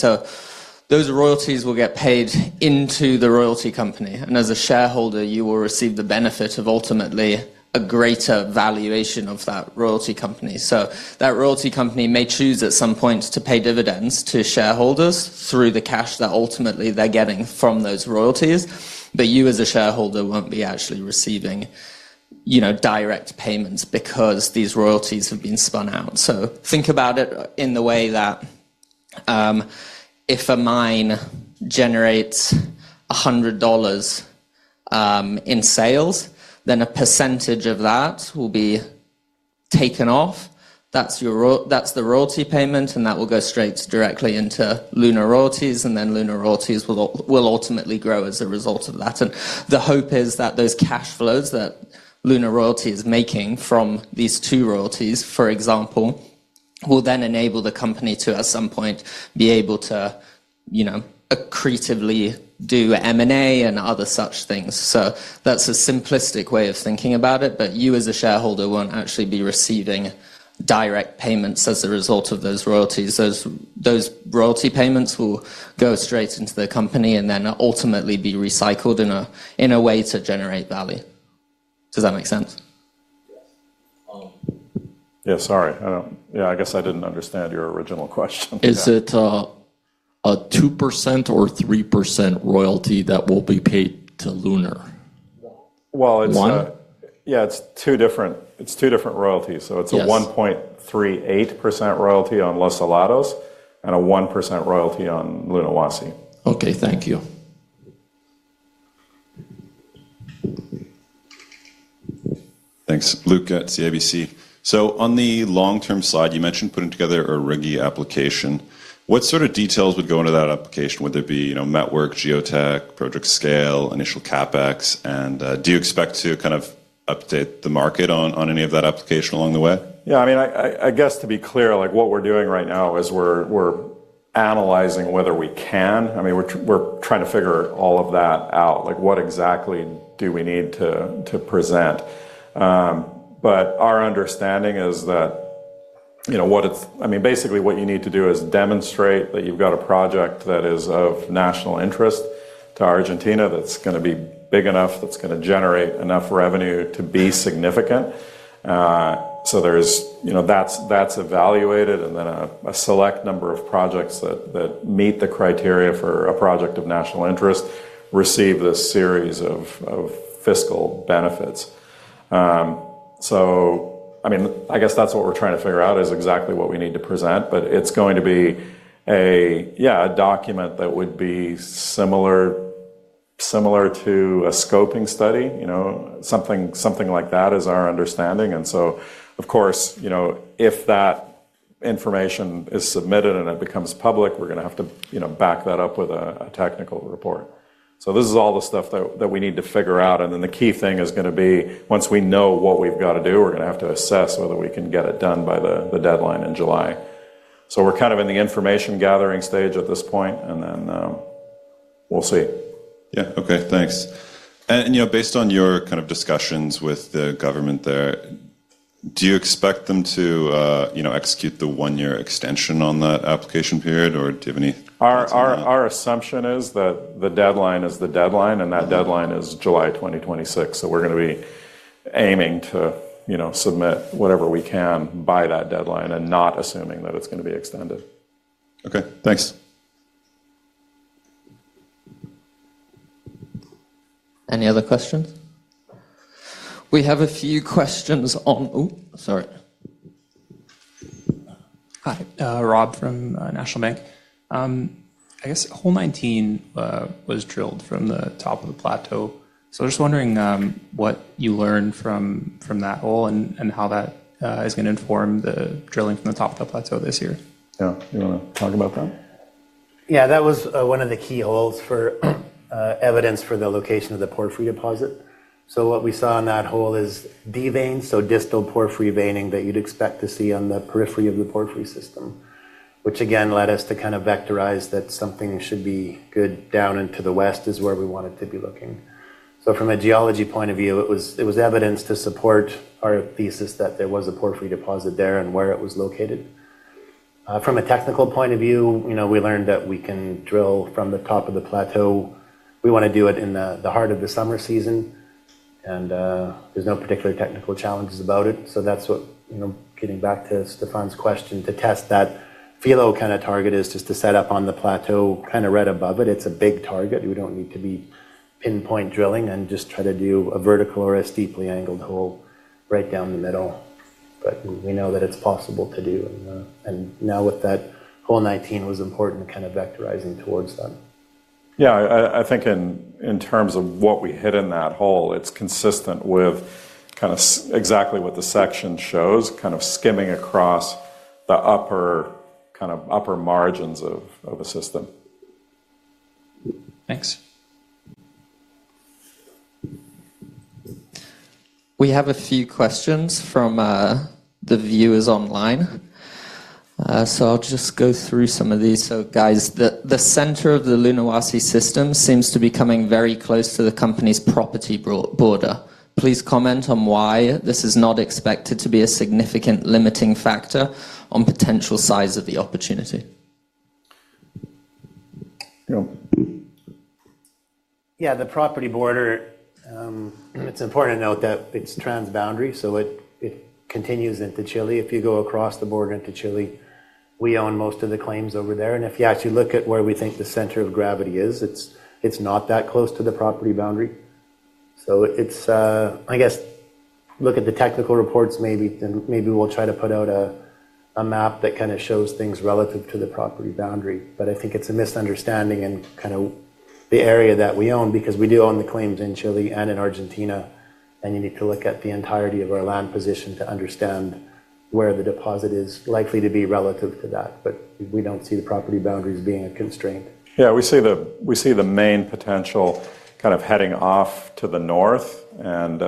those royalties will get paid into the royalty company, and as a shareholder, you will receive the benefit of ultimately a greater valuation of that royalty company. That royalty company may choose at some point to pay dividends to shareholders through the cash that they're getting from those royalties, but you as a shareholder won't be actually receiving direct payments because these royalties have been spun out. Think about it in the way that if a mine generates $100 in sales, then a percentage of that will be taken off. That's the royalty payment, and that will go directly into LunR Royalties, and LunR Royalties will ultimately grow as a result of that. The hope is that those cash flows that LunR Royalties is making from these two royalties, for example, will then enable the company to at some point be able to accretively do M&A and other such things. That's a simplistic way of thinking about it, but you as a shareholder won't actually be receiving direct payments as a result of those royalties. Those royalty payments will go straight into the company and then ultimately be recycled in a way to generate value. Does that make sense? Yeah, sorry. I guess I didn't understand your original question. Is it a 2% or 3% royalty that will be paid to Luna? It's two different royalties. It's a 1.38% royalty on Los Helados and a 1% royalty on Lunahuasi. Okay, thank you. Thanks, Luke at CIBC. On the long-term slide, you mentioned putting together a RIGI application. What sort of details would go into that application? Would there be, you know, network, geotech, project scale, initial CapEx, and do you expect to kind of update the market on any of that application along the way? Yeah, I mean, I guess to be clear, what we're doing right now is we're analyzing whether we can, I mean, we're trying to figure all of that out, like what exactly do we need to present. Our understanding is that, you know, what it's, I mean, basically what you need to do is demonstrate that you've got a project that is of national interest to Argentina that's going to be big enough, that's going to generate enough revenue to be significant. That's evaluated, and then a select number of projects that meet the criteria for a project of national interest receive this series of fiscal benefits. I guess that's what we're trying to figure out is exactly what we need to present, but it's going to be a document that would be similar to a scoping study, you know, something like that is our understanding. Of course, if that information is submitted and it becomes public, we're going to have to back that up with a technical report. This is all the stuff that we need to figure out, and the key thing is going to be once we know what we've got to do, we're going to have to assess whether we can get it done by the deadline in July. We're kind of in the information gathering stage at this point, and then we'll see. Okay, thanks. Based on your kind of discussions with the government there, do you expect them to execute the one-year extension on that application period, or do you have any? Our assumption is that the deadline is the deadline, and that deadline is July 2026. We're going to be aiming to submit whatever we can by that deadline and not assuming that it's going to be extended. Okay, thanks. Any other questions? We have a few questions on, sorry. Hi, Rabi from National Bank. I guess hole 19 was drilled from the top of the plateau. I'm just wondering what you learned from that hole and how that is going to inform the drilling from the top of the plateau this year. Yeah, you want to talk about that? Yeah, that was one of the key holes for evidence for the location of the porphyry deposit. What we saw in that hole is de-veined, so distal porphyry veining that you'd expect to see on the periphery of the porphyry system, which again led us to kind of vectorize that something should be good down into the west, which is where we wanted to be looking. From a geology point of view, it was evidence to support our thesis that there was a porphyry deposit there and where it was located. From a technical point of view, we learned that we can drill from the top of the plateau. We want to do it in the heart of the summer season, and there's no particular technical challenges about it. Getting back to Stefan's question, to test that Filo kind of target is just to set up on the plateau kind of right above it. It's a big target. We don't need to be pinpoint drilling and just try to do a vertical or a steeply angled hole right down the middle. We know that it's possible to do. Now with that, hole 19 was important kind of vectorizing towards them. Yeah, I think in terms of what we hit in that hole, it's consistent with kind of exactly what the section shows, kind of skimming across the upper margins of a system. Thanks. We have a few questions from the viewers online. I'll just go through some of these. Guys, the center of the Lunahuasi system seems to be coming very close to the company's property border. Please comment on why this is not expected to be a significant limiting factor on potential size of the opportunity. Yeah, the property border, it's important to note that it's transboundary. It continues into Chile. If you go across the border into Chile, we own most of the claims over there. If you actually look at where we think the center of gravity is, it's not that close to the property boundary. Look at the technical reports, maybe we'll try to put out a map that kind of shows things relative to the property boundary. I think it's a misunderstanding in kind of the area that we own because we do own the claims in Chile and in Argentina. You need to look at the entirety of our land position to understand where the deposit is likely to be relative to that. We don't see the property boundaries being a constraint. We see the main potential kind of heading off to the north and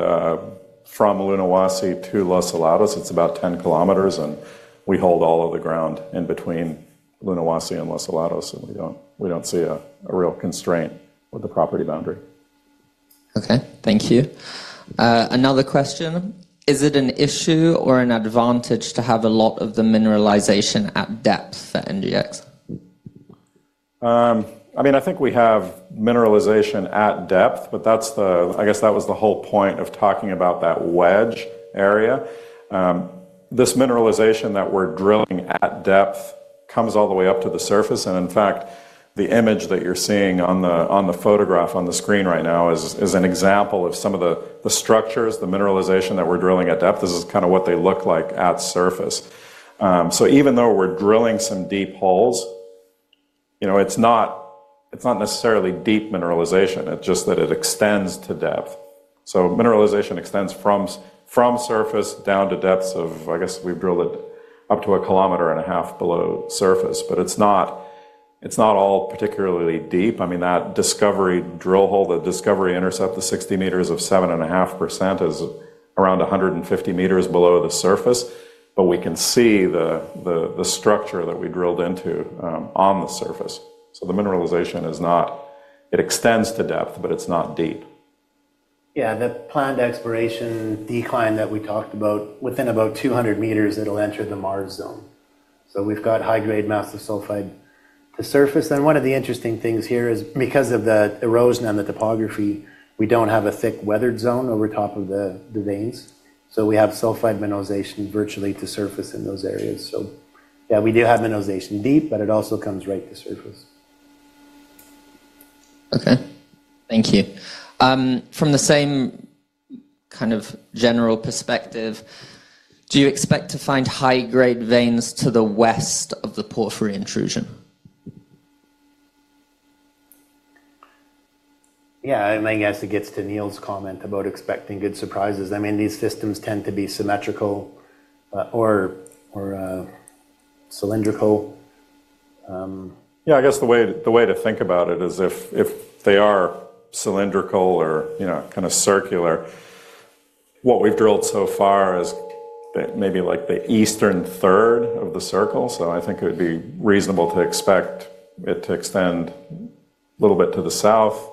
from Lunahuasi to Los Helados. It's about 10 km, and we hold all of the ground in between Lunahuasi and Los Helados. We don't see a real constraint with the property boundary. Okay, thank you. Another question. Is it an issue or an advantage to have a lot of the mineralization at depth for NGEx? I mean, I think we have mineralization at depth, but that's the, I guess that was the whole point of talking about that wedge area. This mineralization that we're drilling at depth comes all the way up to the surface. In fact, the image that you're seeing on the photograph on the screen right now is an example of some of the structures, the mineralization that we're drilling at depth. This is kind of what they look like at surface. Even though we're drilling some deep holes, you know, it's not necessarily deep mineralization. It's just that it extends to depth. Mineralization extends from surface down to depths of, I guess we've drilled it up to 1.5 km below surface. It's not all particularly deep. I mean, that discovery drill hole, the discovery intercept, the 60 m of 7.5% is around 150 m below the surface. We can see the structure that we drilled into on the surface. The mineralization is not, it extends to depth, but it's not deep. Yeah, the planned exploration decline that we talked about, within about 200 m, it'll enter the Mars zone. We've got high-grade massive sulfide to surface. One of the interesting things here is because of the erosion and the topography, we don't have a thick weathered zone over top of the veins. We have sulfide mineralization virtually to surface in those areas. We do have mineralization deep, but it also comes right to surface. Okay. Thank you. From the same kind of general perspective, do you expect to find high-grade veins to the West of the porphyry intrusion? Yeah, I guess it gets to Neil's comment about expecting good surprises. I mean, these systems tend to be symmetrical or cylindrical. I guess the way to think about it is if they are cylindrical or, you know, kind of circular. What we've drilled so far is maybe like the Eastern third of the circle. I think it would be reasonable to expect it to extend a little bit to the South.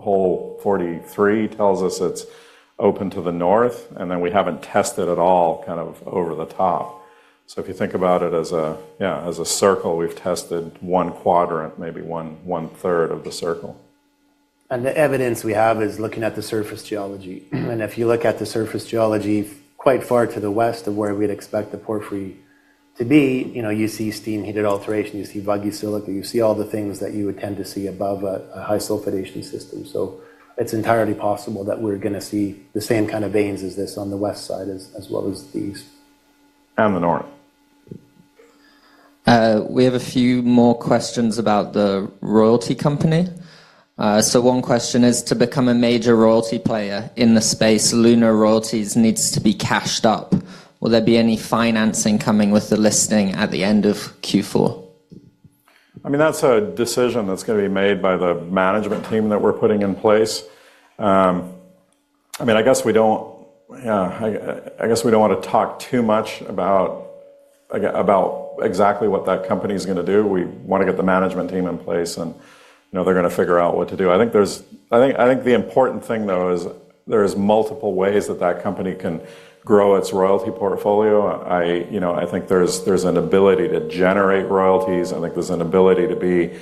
Hole 43 tells us it's open to the North, and we haven't tested at all kind of over the top. If you think about it as a circle, we've tested one quadrant, maybe 1/3 of the circle. The evidence we have is looking at the surface geology. If you look at the surface geology quite far to the West of where we'd expect the porphyry to be, you see steam-heated alteration, you see vuggy silica, you see all the things that you would tend to see above a high sulfidation system. It is entirely possible that we're going to see the same kind of veins as this on the West side as well as these. And the North. We have a few more questions about the royalty company. One question is to become a major royalty player in the space, LunR Royalties needs to be cashed up. Will there be any financing coming with the listing at the end of Q4? That's a decision that's going to be made by the management team that we're putting in place. We don't want to talk too much about exactly what that company is going to do. We want to get the management team in place, and they're going to figure out what to do. I think the important thing though is there are multiple ways that that company can grow its royalty portfolio. I think there's an ability to generate royalties. I think there's an ability to be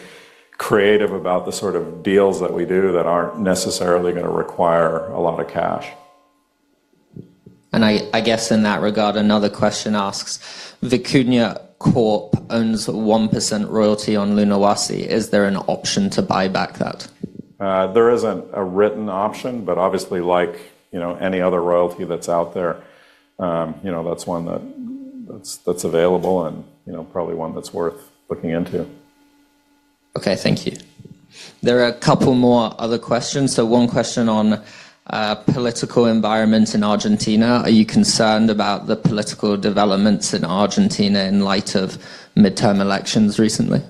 creative about the sort of deals that we do that aren't necessarily going to require a lot of cash. I guess in that regard, another question asks, Vicuña Corp. owns 1% royalty on Lunahuasi. Is there an option to buy back that? There isn't a written option, but obviously, like, you know, any other royalty that's out there, that's one that's available and probably one that's worth looking into. Okay, thank you. There are a couple more other questions. One question on political environment in Argentina. Are you concerned about the political developments in Argentina in light of midterm elections recently?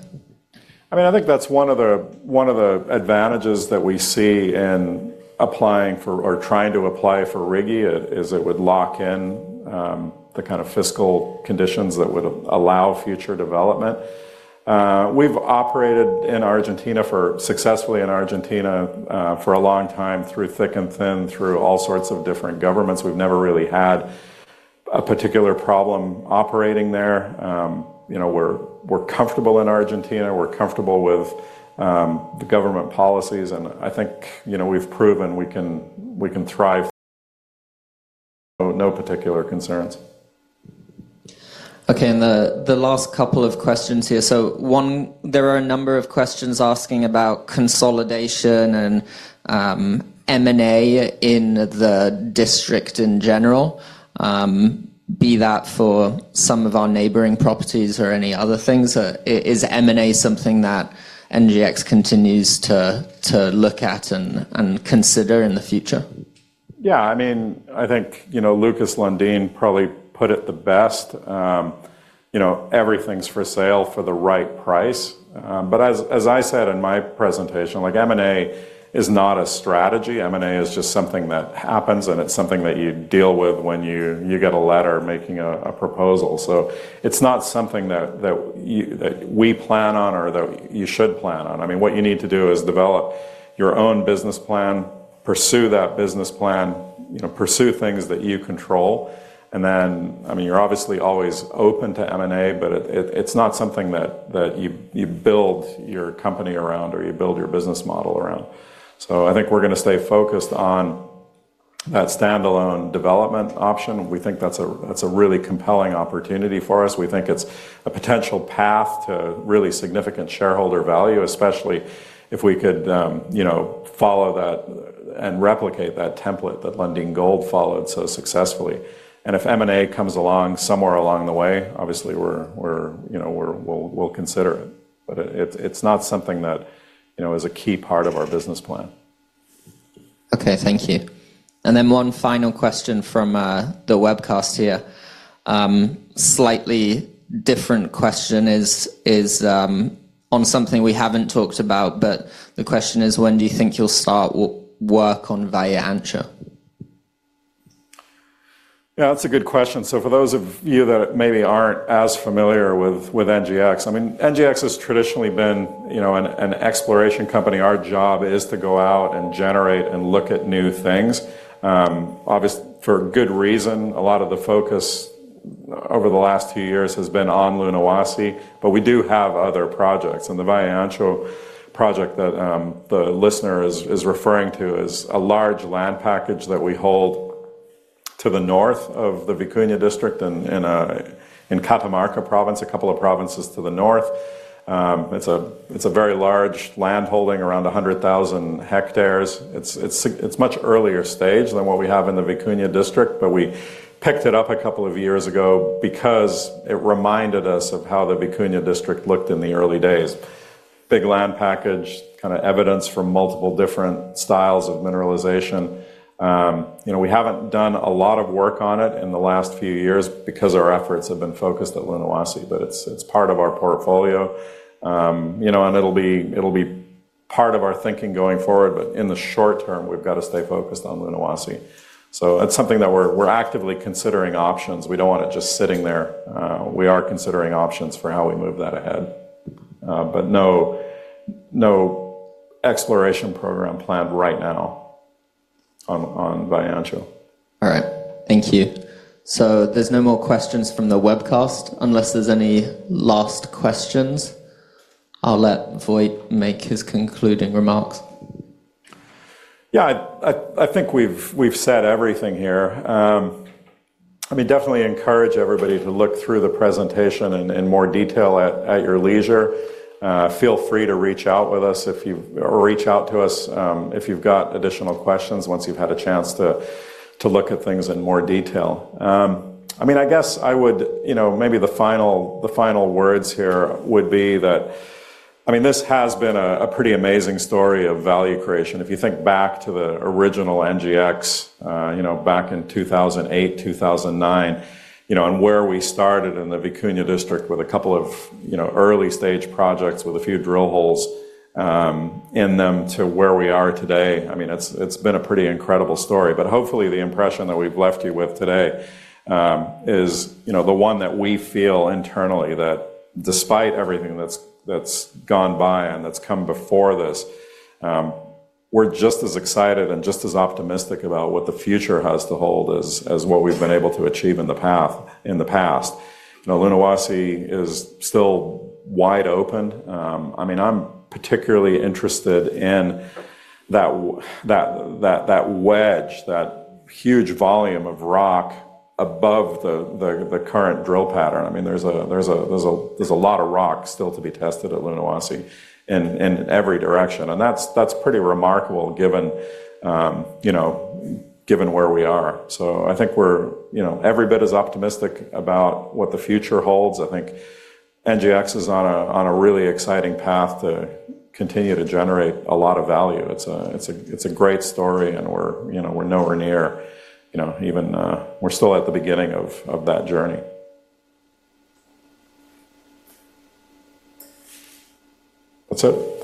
I think that's one of the advantages that we see in applying for or trying to apply for RIGI. It would lock in the kind of fiscal conditions that would allow future development. We've operated in Argentina successfully for a long time through thick and thin, through all sorts of different governments. We've never really had a particular problem operating there. We're comfortable in Argentina. We're comfortable with the government policies. I think we've proven we can thrive. No particular concerns. Okay, the last couple of questions here. One, there are a number of questions asking about consolidation and M&A in the district in general, be that for some of our neighboring properties or any other things. Is M&A something that NGEx continues to look at and consider in the future? Yeah, I mean, I think, you know, Lukas Lundin probably put it the best. You know, everything's for sale for the right price. As I said in my presentation, like M&A is not a strategy. M&A is just something that happens, and it's something that you deal with when you get a letter making a proposal. It's not something that we plan on or that you should plan on. What you need to do is develop your own business plan, pursue that business plan, pursue things that you control. You're obviously always open to M&A, but it's not something that you build your company around or you build your business model around. I think we're going to stay focused on that standalone development option. We think that's a really compelling opportunity for us. We think it's a potential path to really significant shareholder value, especially if we could, you know, follow that and replicate that template that Lundin Gold followed so successfully. If M&A comes along somewhere along the way, obviously, we'll consider it. It's not something that, you know, is a key part of our business plan. Okay, thank you. One final question from the webcast here. Slightly different question is on something we haven't talked about, but the question is, when do you think you'll start work on Valle Ancho? Yeah, that's a good question. For those of you that maybe aren't as familiar with NGEx, I mean, NGEx has traditionally been, you know, an exploration company. Our job is to go out and generate and look at new things. Obviously, for good reason, a lot of the focus over the last two years has been on Lunahuasi, but we do have other projects. The Valle Ancho project that the listener is referring to is a large land package that we hold to the North of the Vicuña District in Catamarca province, a couple of provinces to the North. It's a very large land holding, around 100,000 hectares. It's a much earlier stage than what we have in the Vicuña District, but we picked it up a couple of years ago because it reminded us of how the Vicuña District looked in the early days. Big land package, kind of evidence from multiple different styles of mineralization. We haven't done a lot of work on it in the last few years because our efforts have been focused at Lunahuasi, but it's part of our portfolio. It'll be part of our thinking going forward, but in the short-term, we've got to stay focused on Lunahuasi. That's something that we're actively considering options. We don't want it just sitting there. We are considering options for how we move that ahead. No exploration program planned right now on Valle Ancho. All right, thank you. There's no more questions from the webcast unless there's any last questions. I'll let Wojtek make his concluding remarks. Yeah, I think we've said everything here. I definitely encourage everybody to look through the presentation in more detail at your leisure. Feel free to reach out to us if you've got additional questions once you've had a chance to look at things in more detail. I guess maybe the final words here would be that this has been a pretty amazing story of value creation. If you think back to the original NGEx, back in 2008, 2009, and where we started in the Vicuña District with a couple of early stage projects with a few drill holes in them to where we are today, it's been a pretty incredible story. Hopefully the impression that we've left you with today is the one that we feel internally, that despite everything that's gone by and that's come before this, we're just as excited and just as optimistic about what the future has to hold as what we've been able to achieve in the past. Lunahuasi is still wide open. I'm particularly interested in that wedge, that huge volume of rock above the current drill pattern. There's a lot of rock still to be tested at Lunahuasi in every direction, and that's pretty remarkable given where we are. I think we're every bit as optimistic about what the future holds. I think NGEx is on a really exciting path to continue to generate a lot of value. It's a great story, and we're nowhere near, we're still at the beginning of that journey. That's it.